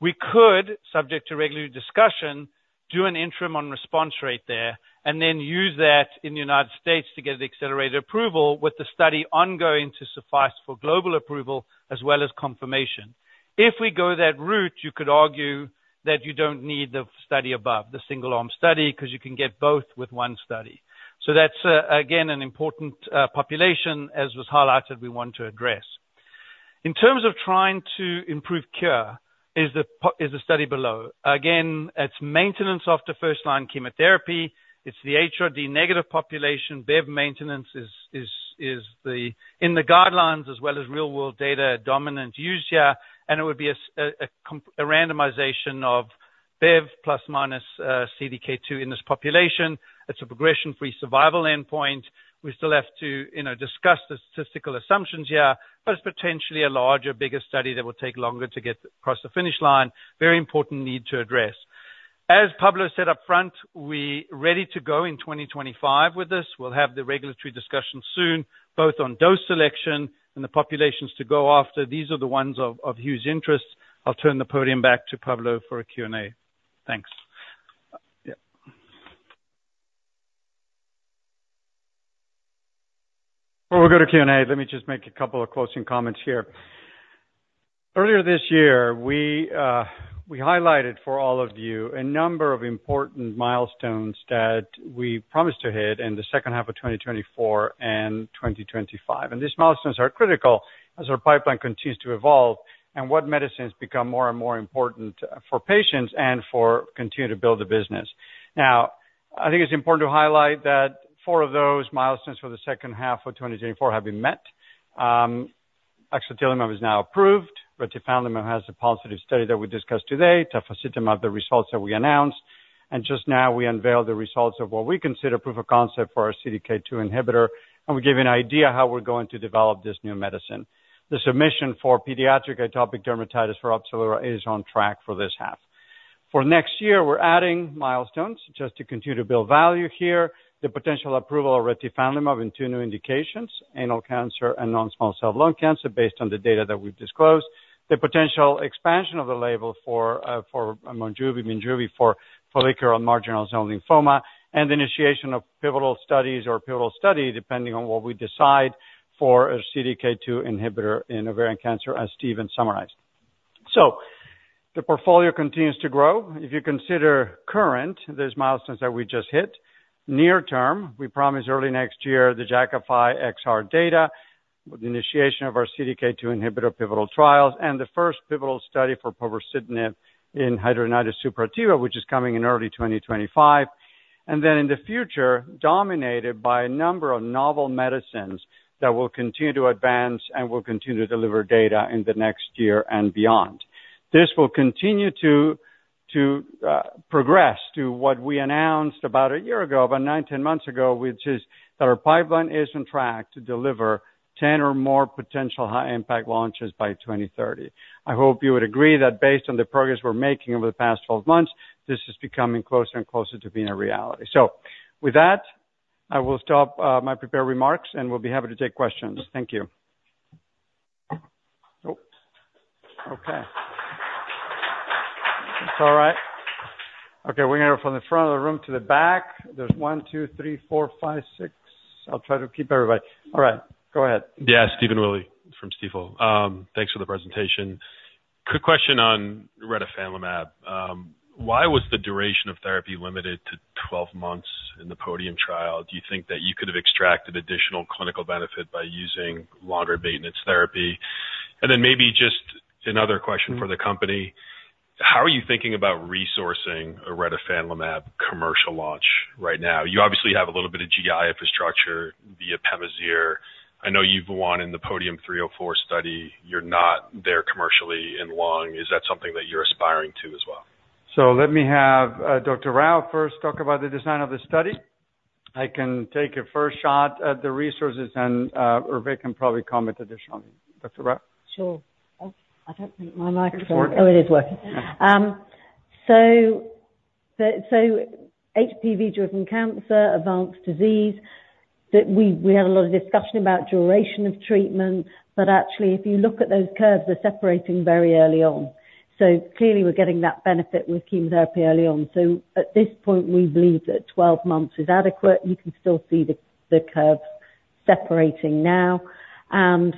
We could, subject to regular discussion, do an interim on response rate there and then use that in the United States to get the accelerated approval, with the study ongoing to suffice for global approval as well as confirmation. If we go that route, you could argue that you don't need the study above, the single arm study, 'cause you can get both with one study. So that's, again, an important population, as was highlighted, we want to address. In terms of trying to improve cure, is the study below. Again, it's maintenance after first-line chemotherapy. It's the HRD negative population. Bev maintenance is the one in the guidelines as well as real-world data, dominant use here, and it would be a randomization of Bev plus minus CDK2 in this population. It's a progression-free survival endpoint. We still have to, you know, discuss the statistical assumptions here, but it's potentially a larger, bigger study that will take longer to get across the finish line. Very important need to address. As Pablo said up front, we're ready to go in 2025 with this. We'll have the regulatory discussion soon, both on dose selection and the populations to go after. These are the ones of huge interest. I'll turn the podium back to Pablo for a Q&A. Thanks. Yeah. We'll go to Q&A. Let me just make a couple of closing comments here. Earlier this year, we, we highlighted for all of you a number of important milestones that we promised to hit in the second half of 2024 and 2025. These milestones are critical as our pipeline continues to evolve and what medicines become more and more important, for patients and for continue to build the business. Now, I think it's important to highlight that four of those milestones for the second half of 2024 have been met. Axatilimab is now approved. Retifanlimab has a positive study that we discussed today. Tafasitamab, the results that we announced, and just now we unveiled the results of what we consider proof of concept for our CDK2 inhibitor, and we give you an idea how we're going to develop this new medicine. The submission for pediatric atopic dermatitis for Opzelura is on track for this half. For next year, we're adding milestones just to continue to build value here. The potential approval of retifanlimab in two new indications, anal cancer and non-small cell lung cancer, based on the data that we've disclosed. The potential expansion of the label for Monjuvi, Minjuvi, for follicular and marginal zone lymphoma, and the initiation of pivotal studies or pivotal study, depending on what we decide for a CDK2 inhibitor in ovarian cancer, as Stephen summarized. So the portfolio continues to grow. If you consider current, there's milestones that we just hit. Near term, we promise early next year the Jakafi XR data, with the initiation of our CDK2 inhibitor pivotal trials and the first pivotal study for povodacitinib in hidradenitis suppurativa, which is coming in early 2025. And then in the future, dominated by a number of novel medicines that will continue to advance and will continue to deliver data in the next year and beyond. This will continue to progress to what we announced about a year ago, about nine, 10 months ago, which is that our pipeline is on track to deliver 10 or more potential high impact launches by 2030. I hope you would agree that based on the progress we're making over the past 12 months, this is becoming closer and closer to being a reality. So with that, I will stop my prepared remarks, and we'll be happy to take questions. Thank you. Oh, okay. It's all right. Okay, we're gonna go from the front of the room to the back. There's one, two, three, four, five, six. I'll try to keep everybody. All right, go ahead. Yeah. Stephen Willey from Stifel. Thanks for the presentation. Quick question on retifanlimab. Why was the duration of therapy limited to twelve months in the POD1UM trial? Do you think that you could have extracted additional clinical benefit by using longer maintenance therapy? And then maybe just another question- Mm-hmm. For the company. How are you thinking about resourcing retifanlimab commercial launch right now? You obviously have a little bit of GI infrastructure via Pemazyre. I know you've won in the POD1UM-304 study. You're not there commercially in lung. Is that something that you're aspiring to as well? So let me have Dr. Rao first talk about the design of the study. I can take a first shot at the resources and Hervé can probably comment additionally. Dr. Rao? Sure. I don't think my microphone... Oh, it is working. So HPV-driven cancer, advanced disease, that we had a lot of discussion about duration of treatment, but actually, if you look at those curves, they're separating very early on. So clearly we're getting that benefit with chemotherapy early on. So at this point, we believe that twelve months is adequate. You can still see the curves separating now, and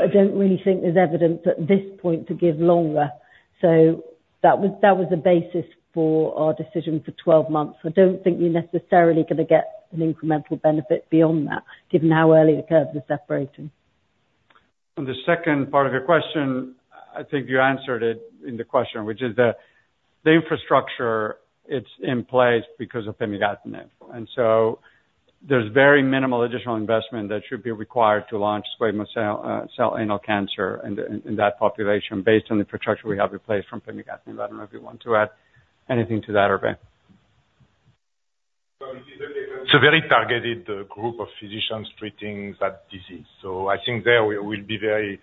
I don't really think there's evidence at this point to give longer. So that was the basis for our decision for twelve months. I don't think you're necessarily going to get an incremental benefit beyond that, given how early the curves are separating. On the second part of your question, I think you answered it in the question, which is that the infrastructure it's in place because of pemigatinib. And so there's very minimal additional investment that should be required to launch squamous cell anal cancer in that population, based on the infrastructure we have in place from pemigatinib. I don't know if you want to add anything to that, Hervé. So it's a very targeted group of physicians treating that disease. So I think there we will be very,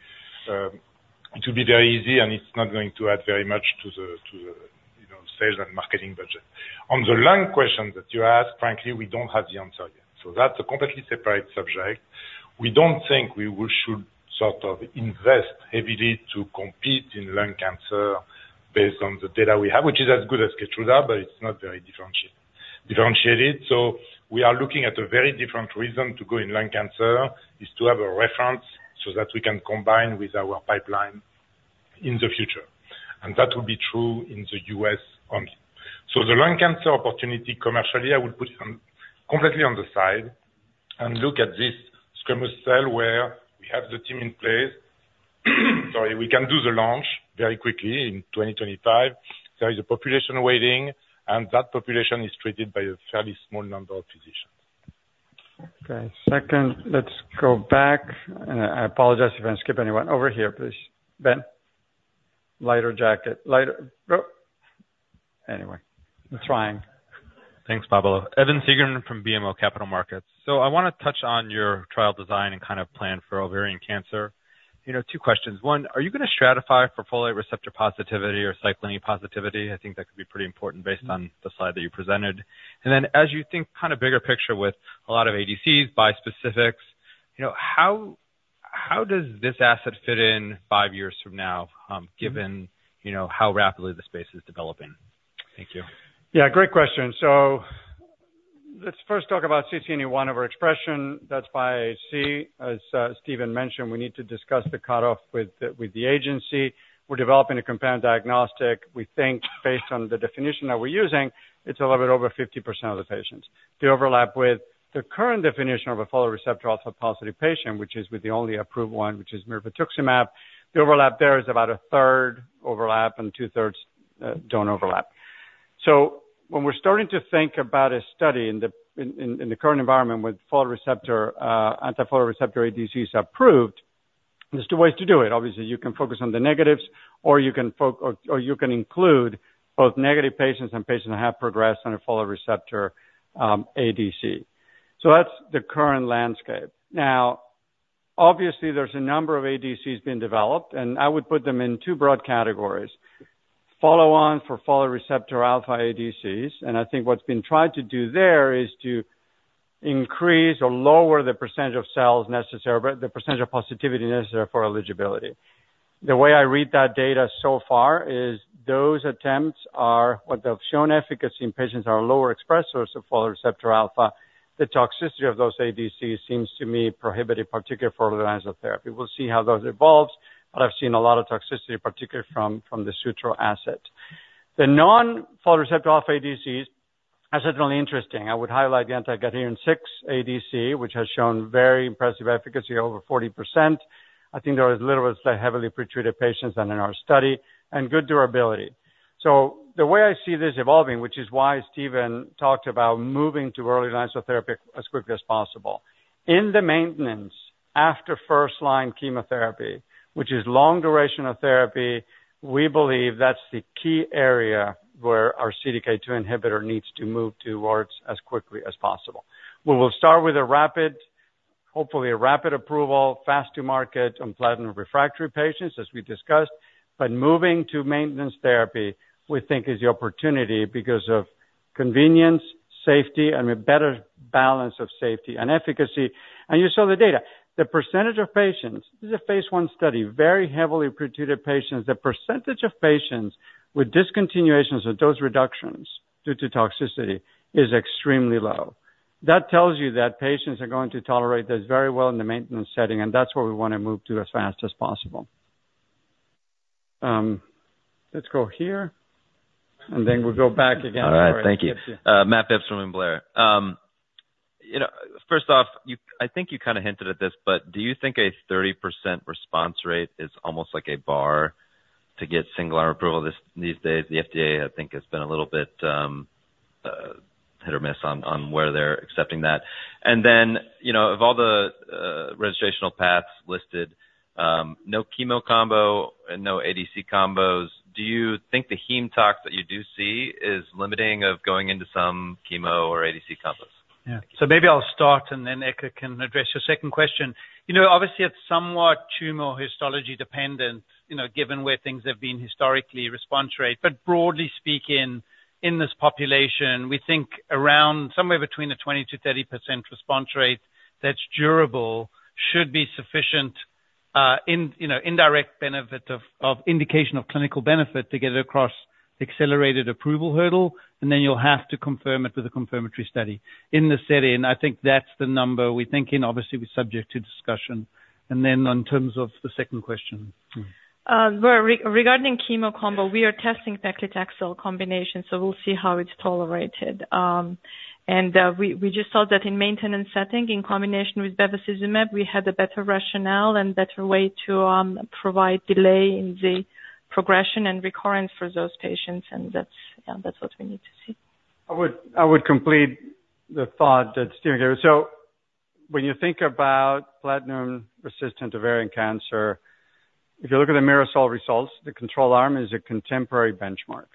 it will be very easy, and it's not going to add very much to the, you know, sales and marketing budget. On the lung question that you asked, frankly, we don't have the answer yet. So that's a completely separate subject. We don't think we would, should sort of invest heavily to compete in lung cancer based on the data we have, which is as good as Keytruda, but it's not very differentiated. So we are looking at a very different reason to go in lung cancer, is to have a reference, so that we can combine with our pipeline in the future, and that will be true in the U.S. only. The lung cancer opportunity, commercially, I would put it on completely on the side and look at this squamous cell, where we have the team in place. Sorry, we can do the launch very quickly in 2025. There is a population waiting, and that population is treated by a fairly small number of physicians. Okay, second, let's go back, and I apologize if I skip anyone. Over here, please. Ben, lighter jacket. Oh, anyway, I'm trying. Thanks, Pablo. Evan Seigerman from BMO Capital Markets. So I want to touch on your trial design and kind of plan for ovarian cancer. You know, two questions. One, are you going to stratify for folate receptor positivity or cyclin positivity? I think that could be pretty important based on the slide that you presented. And then, as you think, kind of, bigger picture with a lot of ADCs, bispecifics, you know, how does this asset fit in five years from now, given, you know, how rapidly the space is developing? Thank you. Yeah, great question. So let's first talk about CCNE1 overexpression. That's by IHC. As Steven mentioned, we need to discuss the cutoff with the agency. We're developing a companion diagnostic. We think based on the definition that we're using, it's a little bit over 50% of the patients. The overlap with the current definition of a folate receptor alpha positive patient, which is with the only approved one, which is mirvetuximab. The overlap there is about a third overlap, and two-thirds don't overlap. So when we're starting to think about a study in the current environment with folate receptor anti-folate receptor ADCs approved, there's two ways to do it. Obviously, you can focus on the negatives, or you can include both negative patients and patients that have progressed on a folate receptor ADC. That's the current landscape. Now, obviously, there's a number of ADCs being developed, and I would put them in two broad categories: follow on for folate receptor alpha ADCs, and I think what's been tried to do there is to increase or lower the percentage of cells necessary, but the percentage of positivity necessary for eligibility. The way I read that data so far is those attempts are what they've shown efficacy in patients are lower expressors of folate receptor alpha. The toxicity of those ADCs seems to me prohibitive, particularly for organotherapy. We'll see how those evolves, but I've seen a lot of toxicity, particularly from the Sutro asset. The non-folate receptor alpha ADCs, that's certainly interesting. I would highlight the anti-cadherin-6 ADC, which has shown very impressive efficacy over 40%. I think there are as few as, like, heavily pretreated patients than in our study, and good durability. So the way I see this evolving, which is why Steven talked about moving to early line therapy as quickly as possible. In the maintenance, after first line chemotherapy, which is long duration of therapy, we believe that's the key area where our CDK2 inhibitor needs to move towards as quickly as possible. We will start with a rapid, hopefully a rapid approval, fast to market on platinum refractory patients, as we discussed, but moving to maintenance therapy, we think is the opportunity because of convenience, safety, and a better balance of safety and efficacy. And you saw the data. The percentage of patients, this is a phase 1 study, very heavily pretreated patients. The percentage of patients with discontinuations or dose reductions due to toxicity is extremely low. That tells you that patients are going to tolerate this very well in the maintenance setting, and that's where we want to move to as fast as possible. Let's go here, and then we'll go back again. All right, thank you. Matthew Phipps from William Blair. You know, first off, you I think you kind of hinted at this, but do you think a 30% response rate is almost like a bar to get single arm approval these days? The FDA, I think, has been a little bit hit or miss on where they're accepting that. And then, you know, of all the registrational paths listed, no chemo combo and no ADC combos, do you think the heme tox that you do see is limiting of going into some chemo or ADC combos? Yeah. So maybe I'll start, and then Eka can address your second question. You know, obviously, it's somewhat tumor histology dependent, you know, given where things have been historically, response rate. But broadly speaking, in this population, we think around somewhere between 20%-30% response rate that's durable should be sufficient, you know, indirect benefit of indication of clinical benefit to get across accelerated approval hurdle, and then you'll have to confirm it with a confirmatory study. In the study, and I think that's the number we're thinking, obviously, we're subject to discussion. And then in terms of the second question. Regarding chemo combo, we are testing paclitaxel combination, so we'll see how it's tolerated. And we just thought that in maintenance setting, in combination with bevacizumab, we had a better rationale and better way to provide delay in the progression and recurrence for those patients, and that's, yeah, that's what we need to see. I would complete the thought that Steven gave. So when you think about platinum-resistant ovarian cancer, if you look at the MIRASOL results, the control arm is a contemporary benchmark,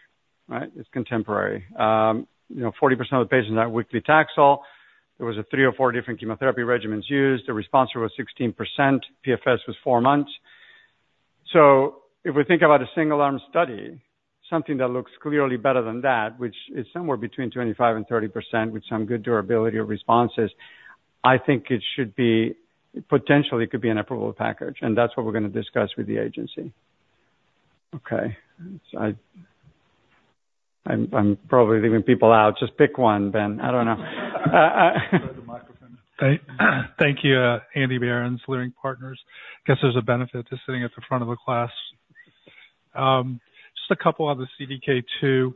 right? It's contemporary. You know, 40% of the patients on weekly Taxol. There was three or four different chemotherapy regimens used. The response rate was 16%. PFS was 4 months. So if we think about a single arm study, something that looks clearly better than that, which is somewhere between 25% and 30% with some good durability of responses, I think it should be potentially could be an approval package, and that's what we're going to discuss with the agency. Okay. So I'm probably leaving people out. Just pick one, Ben. I don't know. The microphone. Thank you, Andrew Berens, Leerink Partners. Guess there's a benefit to sitting at the front of the class. Just a couple on the CDK2.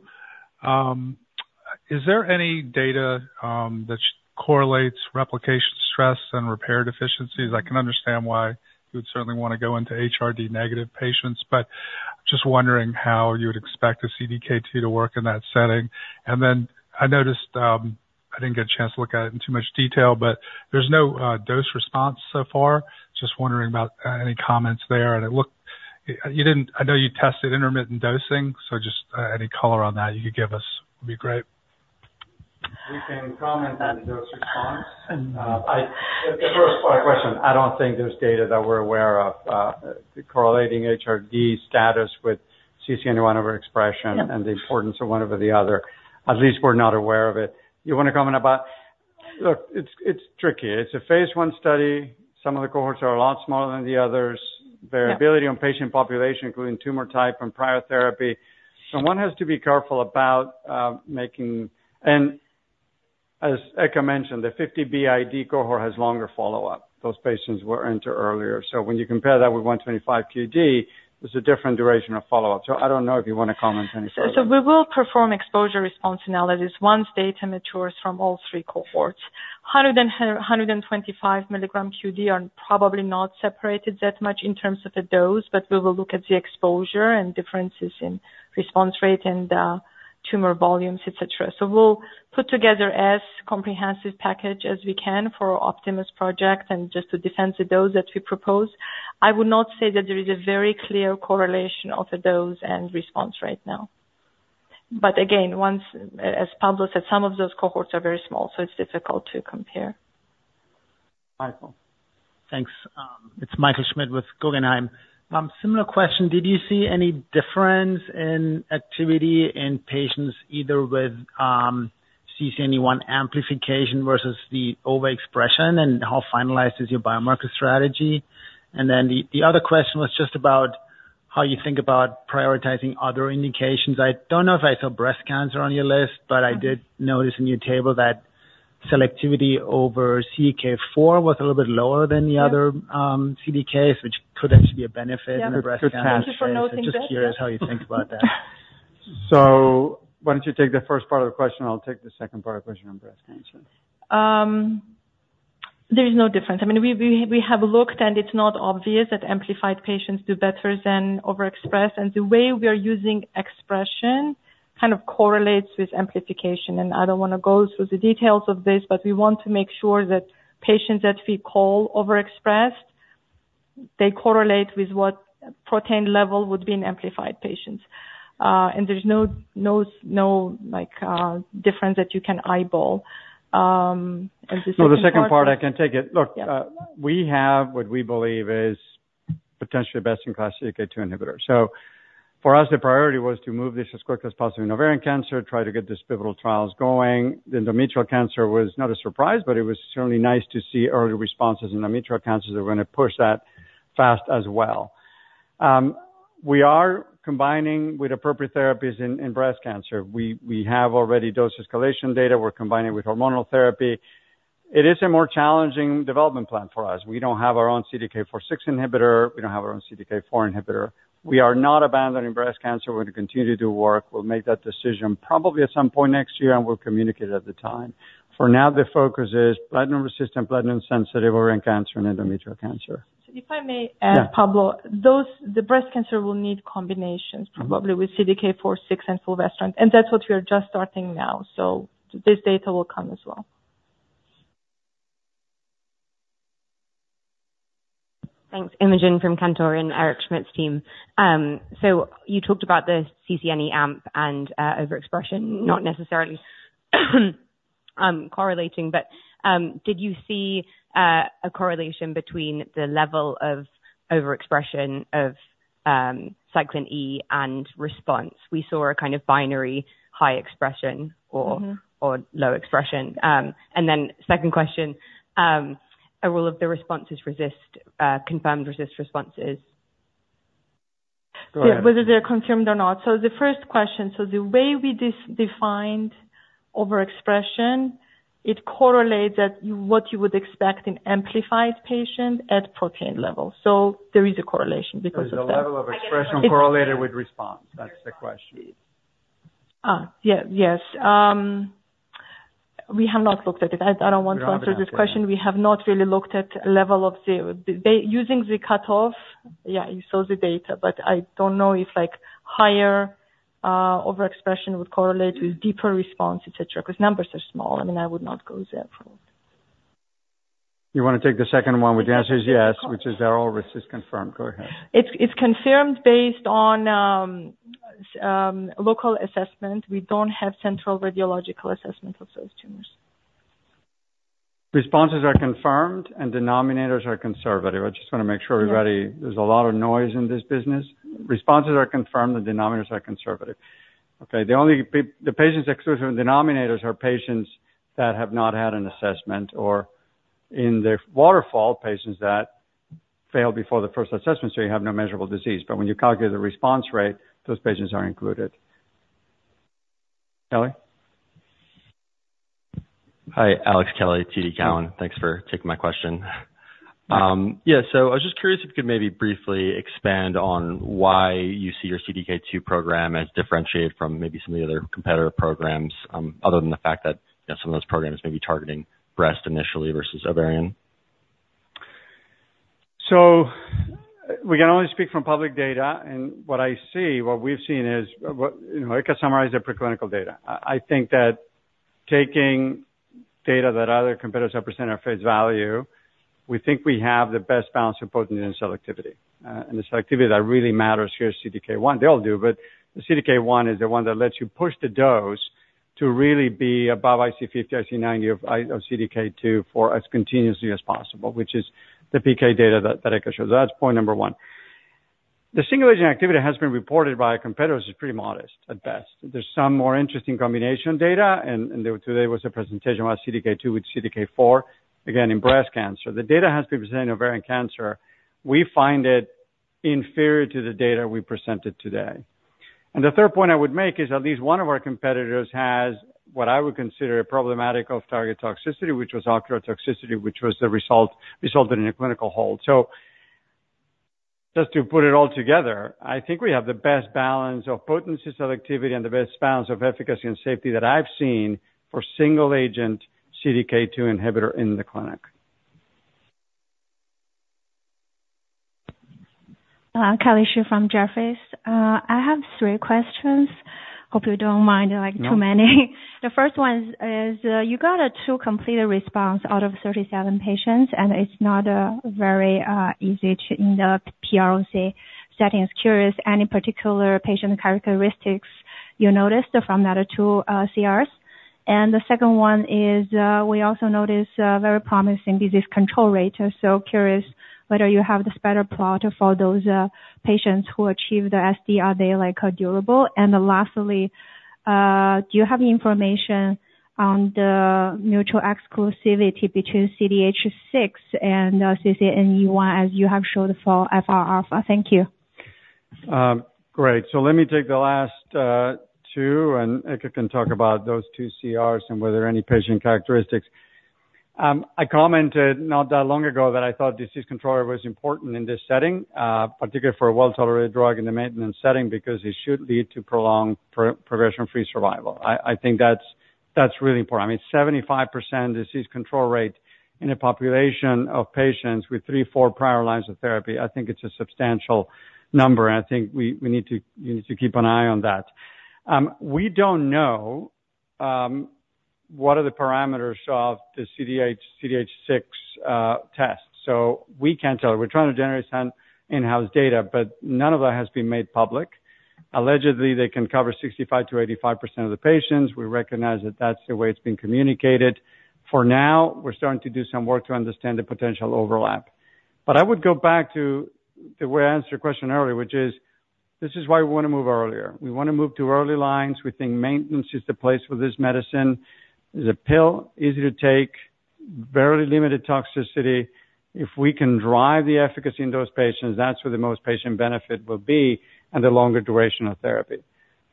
Is there any data that correlates replication stress and repair deficiencies? I can understand why you would certainly want to go into HRD negative patients, but just wondering how you would expect a CDK2 to work in that setting. And then I noticed, I didn't get a chance to look at it in too much detail, but there's no dose response so far. Just wondering about any comments there. And it looked, I know you tested intermittent dosing, so just any color on that you could give us would be great. We can comment on the dose response. The first part of the question, I don't think there's data that we're aware of, correlating HRD status with CDK1 overexpression. Yeah and the importance of one over the other. At least we're not aware of it. You want to comment about.... Look, it's, it's tricky. It's a phase one study. Some of the cohorts are a lot smaller than the others. Yeah. Variability on patient population, including tumor type and prior therapy. So one has to be careful about making. And as Eka mentioned, the 50 BID cohort has longer follow-up. Those patients were entered earlier. So when you compare that with 125 QD, there's a different duration of follow-up. So I don't know if you want to comment any further. We will perform exposure-response analyses once data matures from all three cohorts. 125 milligram QD are probably not separated that much in terms of the dose, but we will look at the exposure and differences in response rate and tumor volumes, et cetera. We'll put together as comprehensive a package as we can for our Project Optimus and just to defend the dose that we propose. I would not say that there is a very clear correlation of the dose and response right now. Again, once, as Pablo said, some of those cohorts are very small, so it's difficult to compare. Michael. Thanks. It's Michael Schmidt with Guggenheim. Similar question: Did you see any difference in activity in patients either with CCNE1 amplification versus the overexpression, and how finalized is your biomarker strategy? And then the other question was just about how you think about prioritizing other indications. I don't know if I saw breast cancer on your list, but I did notice in your table that selectivity over CDK4 was a little bit lower than the other- CDKs, which could actually be a benefit in the breast cancer. Thank you for noticing that. Just curious how you think about that. So why don't you take the first part of the question. I'll take the second part of the question on breast cancer. ...There's no difference. I mean, we have looked, and it's not obvious that amplified patients do better than overexpressed. And the way we are using expression kind of correlates with amplification. And I don't wanna go through the details of this, but we want to make sure that patients that we call overexpressed, they correlate with what protein level would be in amplified patients. And there's no like difference that you can eyeball. And the second part- So the second part, I can take it. Yeah. Look, we have what we believe is potentially best-in-class CDK2 inhibitor. So for us, the priority was to move this as quickly as possible in ovarian cancer, try to get these pivotal trials going. The endometrial cancer was not a surprise, but it was certainly nice to see early responses in endometrial cancers are gonna push that fast as well. We are combining with appropriate therapies in breast cancer. We have already dose escalation data. We're combining with hormonal therapy. It is a more challenging development plan for us. We don't have our own CDK4/6 inhibitor. We don't have our own CDK4 inhibitor. We are not abandoning breast cancer. We're gonna continue to do work. We'll make that decision probably at some point next year, and we'll communicate it at the time. For now, the focus is platinum-resistant, platinum-sensitive ovarian cancer and endometrial cancer. So if I may add- Yeah. Pablo, the breast cancer will need combinations. Mm-hmm. Probably with CDK4/6 and fulvestrant, and that's what we are just starting now. So this data will come as well. Thanks. Imogen from Cantor and Eric Schmidt's team. So you talked about the CCNE amp and overexpression, not necessarily correlating, but did you see a correlation between the level of overexpression of cyclin E and response? We saw a kind of binary high expression or- Mm-hmm. or low expression. And then second question, will all of the responses in resistant confirmed resistant responses? Go ahead. Whether they're confirmed or not. So the first question, so the way we defined overexpression, it correlates at what you would expect in amplified patient at protein level. So there is a correlation because of that. So, the level of expression correlated with response. That's the question. Yeah, yes. We have not looked at it. I don't want to answer this question. We have not looked at it. Using the cutoff, yeah, you saw the data, but I don't know if, like, higher overexpression would correlate with deeper response, et cetera, because numbers are small. I mean, I would not go there for it. You wanna take the second one, which the answer is yes, which is they're all RECIST confirmed. Go ahead. It's confirmed based on local assessment. We don't have central radiological assessment of those tumors. Responses are confirmed, and denominators are conservative. I just wanna make sure everybody- Yeah. There's a lot of noise in this business. Responses are confirmed, and denominators are conservative. Okay, the only patients excluded from denominators are patients that have not had an assessment or in the waterfall, patients that failed before the first assessment, so you have no measurable disease. But when you calculate the response rate, those patients are included. Kelly? Hi, Alex Kelly, TD Cowen. Thanks for taking my question. Yeah, so I was just curious if you could maybe briefly expand on why you see your CDK2 program as differentiated from maybe some of the other competitor programs, other than the fact that, you know, some of those programs may be targeting breast initially versus ovarian. So we can only speak from public data, and what I see, what we've seen is, you know, I can summarize the preclinical data. I think that taking data that other competitors present at face value, we think we have the best balance of potency and selectivity. And the selectivity that really matters here is CDK1. They all do, but the CDK1 is the one that lets you push the dose to really be above IC fifty, IC ninety of CDK2 for as continuously as possible, which is the PK data that I can show. So that's point number one. The single-agent activity has been reported by our competitors is pretty modest at best. There's some more interesting combination data, and there today was a presentation about CDK2 with CDK4, again, in breast cancer. The data has been presented in ovarian cancer. We find it inferior to the data we presented today, and the third point I would make is at least one of our competitors has, what I would consider, a problematic off-target toxicity, which was ocular toxicity, which resulted in a clinical hold. Just to put it all together, I think we have the best balance of potency, selectivity, and the best balance of efficacy and safety that I've seen for single-agent CDK2 inhibitor in the clinic. Kelly Shi from Jefferies. I have three questions. Hope you don't mind, like, too many. No. The first one is, you got two complete responses out of 37 patients, and it's not a very easy to end up POC settings. Curious, any particular patient characteristics you noticed from those two CRs? And the second one is, we also notice a very promising disease control rate. So curious whether you have the spider plot for those patients who achieve the SDR, are they, like, durable? And then lastly, do you have information on the mutual exclusivity between CDH6 and CCNE1, as you have showed for FRα? Thank you. Great. So let me take the last two, and Eka can talk about those two CRs and were there any patient characteristics. I commented not that long ago that I thought disease control was important in this setting, particularly for a well-tolerated drug in the maintenance setting, because it should lead to prolonged progression-free survival. I think that's really important. I mean, 75% disease control rate in a population of patients with three, four prior lines of therapy, I think it's a substantial number, and I think we, we need to, you need to keep an eye on that. We don't know what are the parameters of the CDH6 test. So we can't tell. We're trying to generate some in-house data, but none of that has been made public. Allegedly, they can cover 65%-85% of the patients. We recognize that that's the way it's been communicated. For now, we're starting to do some work to understand the potential overlap. But I would go back to the way I answered your question earlier, which is, this is why we wanna move earlier. We wanna move to early lines. We think maintenance is the place for this medicine. It's a pill, easy to take, very limited toxicity. If we can drive the efficacy in those patients, that's where the most patient benefit will be and the longer duration of therapy.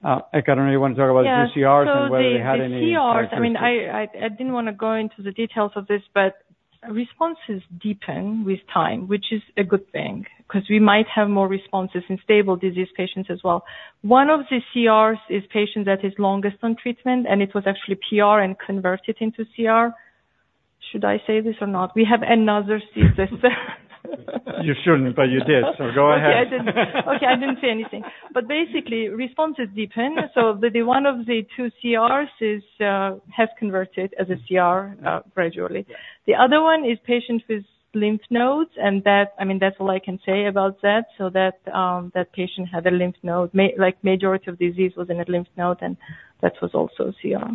Eka, I don't know, you want to talk about the CRs and whether they had any? Yeah, so the CRs, I mean, I didn't wanna go into the details of this, but responses deepen with time, which is a good thing, 'cause we might have more responses in stable disease patients as well. One of the CRs is patient that is longest on treatment, and it was actually PR and converted into CR. Should I say this or not? We have another. You shouldn't, but you did, so go ahead. Okay, I didn't say anything. But basically, responses deepen, so the one of the two CRs has converted as a CR gradually. The other one is patients with lymph nodes, and that. I mean, that's all I can say about that, so that patient had a lymph node. Like, majority of disease was in a lymph node, and that was also CR.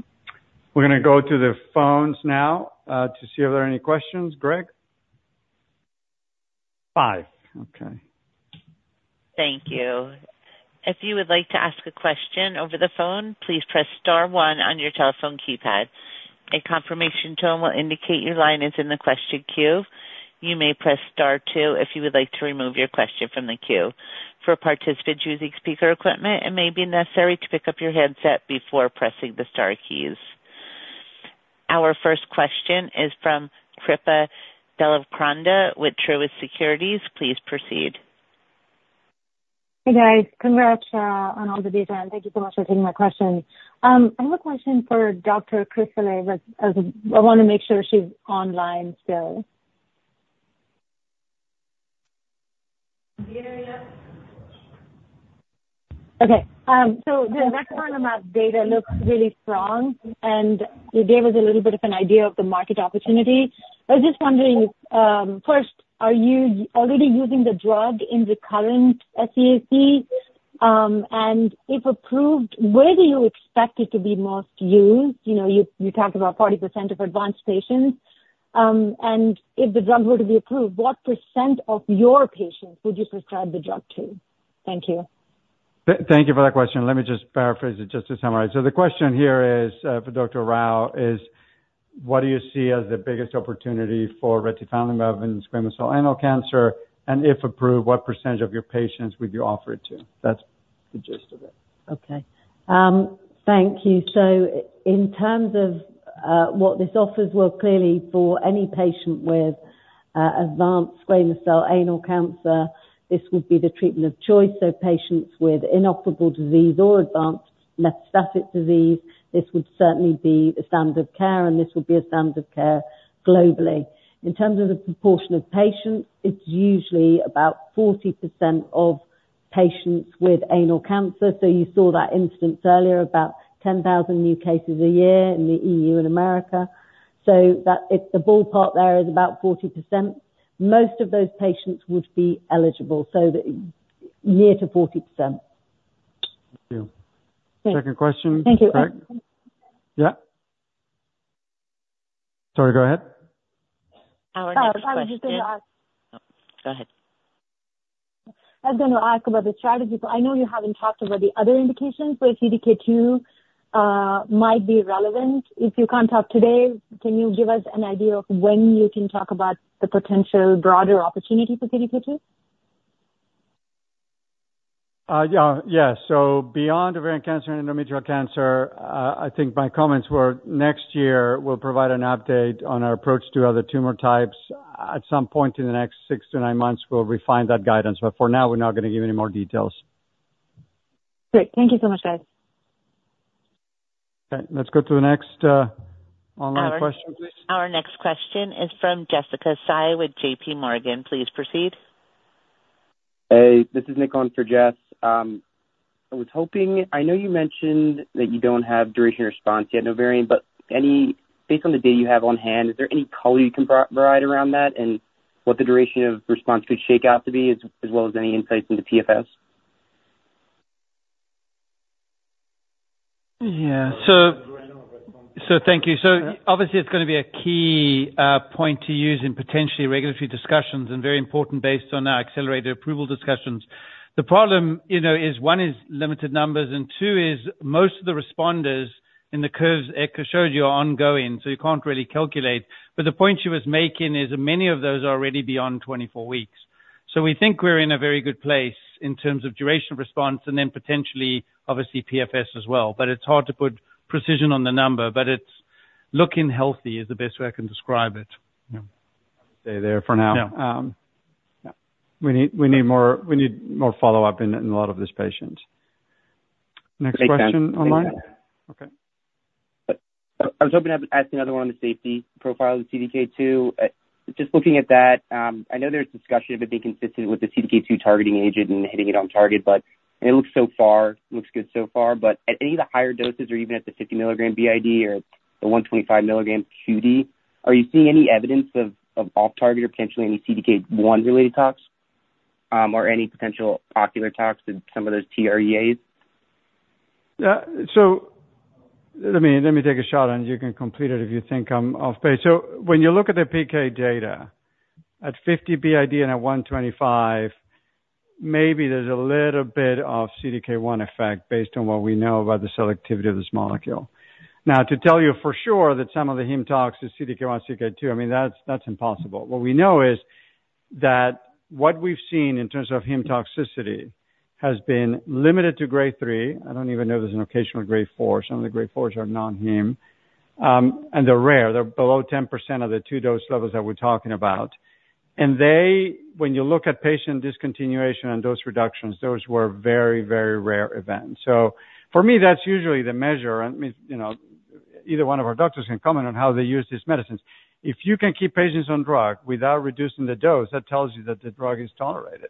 We're gonna go to the phones now, to see if there are any questions. Greg? Five. Okay. Thank you. If you would like to ask a question over the phone, please press star one on your telephone keypad. A confirmation tone will indicate your line is in the question queue. You may press star two if you would like to remove your question from the queue. For participants using speaker equipment, it may be necessary to pick up your headset before pressing the star keys. Our first question is from Kripa Devarakonda with Truist Securities. Please proceed. Hey, guys. Congrats on all the data, and thank you so much for taking my question. I have a question for Dr. Kristeleit. I wanna make sure she's online still. Okay, so the retifanlimab data looks really strong, and you gave us a little bit of an idea of the market opportunity. I was just wondering, first, are you already using the drug in the current SCAC? And if approved, where do you expect it to be most used? You know, you talked about 40% of advanced patients. And if the drug were to be approved, what % of your patients would you prescribe the drug to? Thank you. Thank you for that question. Let me just paraphrase it just to summarize. So the question here is, for Dr. Rao, is: What do you see as the biggest opportunity for retifanlimab in squamous cell anal cancer? And if approved, what percentage of your patients would you offer it to? That's the gist of it. Okay. Thank you. In terms of what this offers, well, clearly for any patient with advanced squamous cell anal cancer, this would be the treatment of choice. Patients with inoperable disease or advanced metastatic disease, this would certainly be a standard of care, and this would be a standard of care globally. In terms of the proportion of patients, it's usually about 40% of patients with anal cancer. You saw that incidence earlier, about 10,000 new cases a year in the EU and America. That, it's the ballpark there is about 40%. Most of those patients would be eligible, so nearly 40%. Thank you. Thank you. Second question. Thank you. Yeah. Sorry, go ahead. Our next question- I was just gonna ask- Oh, go ahead. I was gonna ask about the strategy. So I know you haven't talked about the other indications, where CDK2 might be relevant. If you can't talk today, can you give us an idea of when you can talk about the potential broader opportunity for CDK2? Yeah, yes. So beyond ovarian cancer and endometrial cancer, I think my comments were, next year, we'll provide an update on our approach to other tumor types. At some point in the next six to nine months, we'll refine that guidance, but for now, we're not going to give any more details. Great. Thank you so much, guys. Okay, let's go to the next online question, please. Our next question is from Jessica Fye with J.P. Morgan. Please proceed. Hey, this is Nick on for Jess. I was hoping... I know you mentioned that you don't have duration of response yet in ovarian, but, any based on the data you have on hand, is there any color you can provide around that and what the duration of response could shake out to be, as well as any insights into PFS? Yeah. So, so thank you. So obviously, it's gonna be a key point to use in potentially regulatory discussions and very important based on our accelerated approval discussions. The problem, you know, is one, is limited numbers, and two, is most of the responders in the curves Eka showed you are ongoing, so you can't really calculate. But the point she was making is that many of those are already beyond 24 weeks. So we think we're in a very good place in terms of duration of response, and then potentially, obviously, PFS as well. But it's hard to put precision on the number, but it's looking healthy, is the best way I can describe it. Yeah. Stay there for now. Yeah. Yeah. We need more follow-up in a lot of these patients. Next question online? Okay. I was hoping I could ask another one on the safety profile of CDK2. Just looking at that, I know there's discussion of it being consistent with the CDK2 targeting agent and hitting it on target, but it looks good so far. But at any of the higher doses, or even at the 50 milligram BID or the 125 milligram QD, are you seeing any evidence of off-target or potentially any CDK1-related tox, or any potential ocular tox in some of those TREAs? So let me, let me take a shot, and you can complete it if you think I'm off base. So when you look at the PK data, at 50 BID and at 125, maybe there's a little bit of CDK1 effect based on what we know about the selectivity of this molecule. Now, to tell you for sure that some of the hem tox is CDK1, CDK2, I mean, that's, that's impossible. What we know is that what we've seen in terms of hem toxicity has been limited to grade three. I don't even know if there's an occasional grade four. Some of the grade fours are non-hem. And they're rare, they're below 10% of the two dose levels that we're talking about. And they... When you look at patient discontinuation and dose reductions, those were very, very rare events. So for me, that's usually the measure. And, I mean, you know, either one of our doctors can comment on how they use these medicines. If you can keep patients on drug without reducing the dose, that tells you that the drug is tolerated.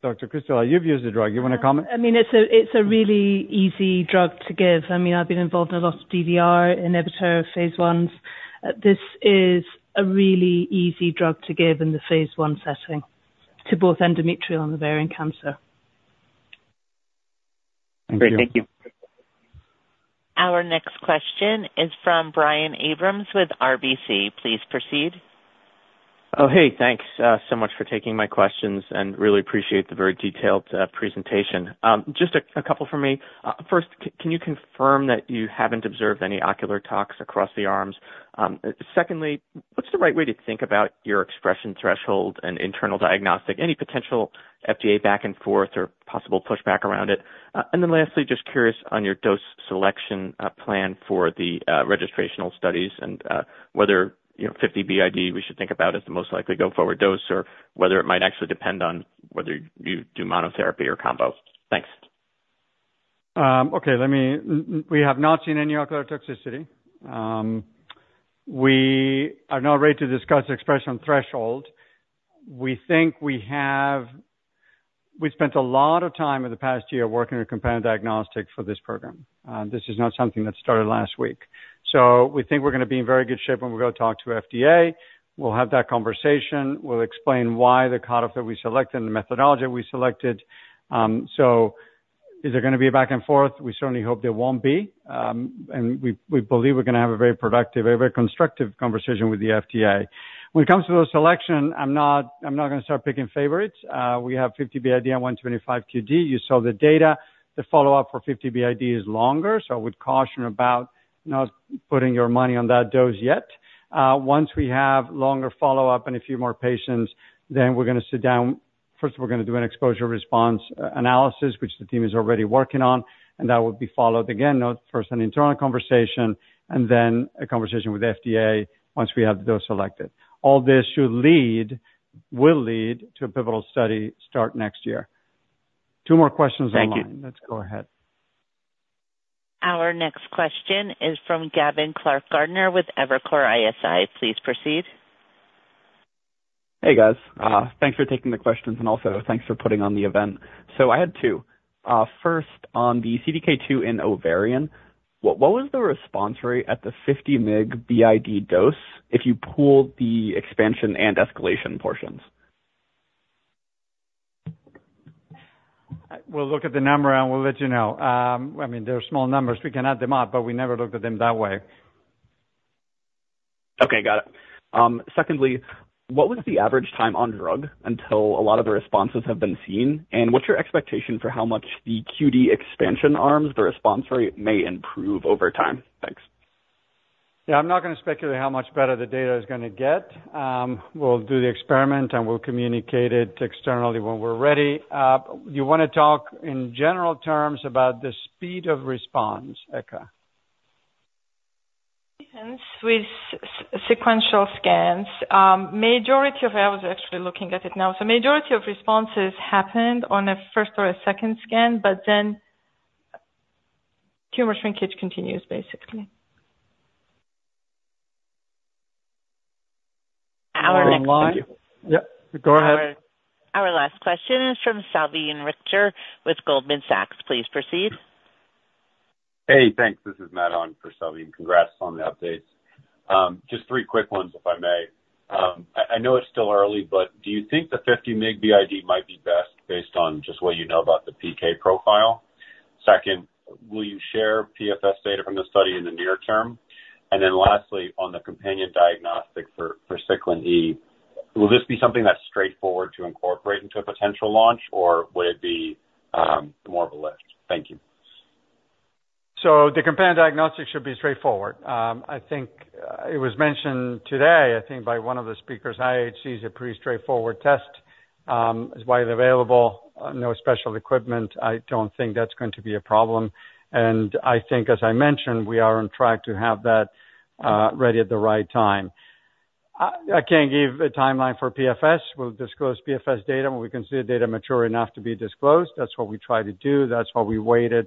Dr. Kristeleit, you've used the drug. You want to comment? I mean, it's a really easy drug to give. I mean, I've been involved in a lot of PARP inhibitor phase ones. This is a really easy drug to give in the phase one setting to both endometrial and ovarian cancer. Thank you. Great. Thank you. Our next question is from Brian Abrahams with RBC. Please proceed. Oh, hey, thanks so much for taking my questions, and really appreciate the very detailed presentation. Just a couple from me. First, can you confirm that you haven't observed any ocular tox across the arms? Secondly, what's the right way to think about your expression threshold and internal diagnostic? Any potential FDA back and forth or possible pushback around it, and then lastly, just curious on your dose selection plan for the registrational studies and whether, you know, fifty BID we should think about as the most likely go-forward dose, or whether it might actually depend on whether you do monotherapy or combo. Thanks. We have not seen any ocular toxicity. We are not ready to discuss expression threshold. We think we have. We spent a lot of time in the past year working with companion diagnostics for this program, this is not something that started last week. So we think we're gonna be in very good shape when we go talk to FDA. We'll have that conversation. We'll explain why the cutoff that we selected and the methodology we selected. So is there gonna be a back and forth? We certainly hope there won't be. And we believe we're gonna have a very productive, a very constructive conversation with the FDA. When it comes to the selection, I'm not gonna start picking favorites. We have 50 BID and 125 QD. You saw the data. The follow-up for fifty BID is longer, so I would caution about not putting your money on that dose yet. Once we have longer follow-up and a few more patients, then we're gonna sit down. First, we're gonna do an exposure-response analysis, which the team is already working on, and that will be followed, again, not first an internal conversation and then a conversation with FDA once we have the dose selected. All this should lead, will lead to a pivotal study start next year. Two more questions online. Thank you. Let's go ahead. Our next question is from Gavin Clark-Gartner with Evercore ISI. Please proceed. Hey, guys. Thanks for taking the questions, and also thanks for putting on the event, so I had two. First, on the CDK2 and ovarian, what was the response rate at the 50 mg BID dose if you pooled the expansion and escalation portions? We'll look at the number, and we'll let you know. I mean, they're small numbers. We can add them up, but we never looked at them that way. Okay, got it. Secondly, what was the average time on drug until a lot of the responses have been seen? And what's your expectation for how much the QD expansion arms, the response rate may improve over time? Thanks. Yeah. I'm not gonna speculate how much better the data is gonna get. We'll do the experiment, and we'll communicate it externally when we're ready. You wanna talk in general terms about the speed of response, Eka? Since with sequential scans, majority of... I was actually looking at it now. So majority of responses happened on a first or a second scan, but then tumor shrinkage continues, basically. Our next- Yeah, go ahead. Our last question is from Salveen Richter with Goldman Sachs. Please proceed. Hey, thanks. This is Matt on for Salveen. Congrats on the updates. Just three quick ones, if I may. I know it's still early, but do you think the 50 mg BID might be best based on just what you know about the PK profile? Second, will you share PFS data from the study in the near term? And then lastly, on the companion diagnostic for Cyclin E, will this be something that's straightforward to incorporate into a potential launch, or would it be more of a lift? Thank you. So the companion diagnostic should be straightforward. I think it was mentioned today, I think, by one of the speakers, IHC is a pretty straightforward test. It's widely available, no special equipment. I don't think that's going to be a problem, and I think, as I mentioned, we are on track to have that ready at the right time. I can't give a timeline for PFS. We'll disclose PFS data when we consider the data mature enough to be disclosed. That's what we try to do. That's why we waited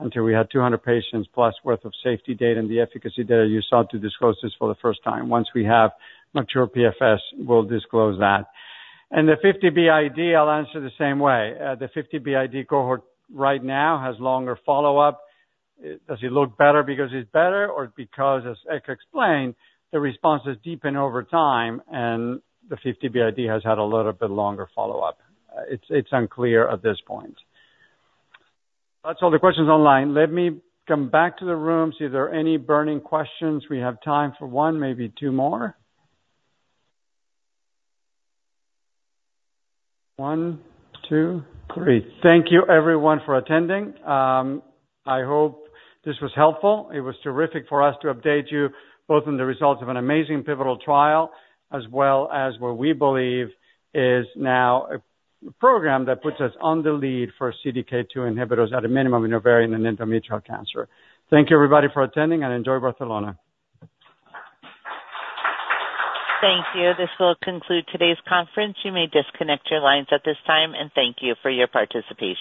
until we had 200 patients plus worth of safety data and the efficacy data you saw to disclose this for the first time. Once we have mature PFS, we'll disclose that. And the 50 BID, I'll answer the same way. The 50 BID cohort right now has longer follow-up. Does it look better because it's better, or because, as Eka explained, the responses deepen over time, and the fifty BID has had a little bit longer follow-up? It's unclear at this point. That's all the questions online. Let me come back to the room, see if there are any burning questions. We have time for one, maybe two more. One, two, three. Thank you, everyone, for attending. I hope this was helpful. It was terrific for us to update you both on the results of an amazing pivotal trial, as well as what we believe is now a program that puts us on the lead for CDK2 inhibitors at a minimum in ovarian and endometrial cancer. Thank you, everybody, for attending and enjoy Barcelona. Thank you. This will conclude today's conference. You may disconnect your lines at this time, and thank you for your participation.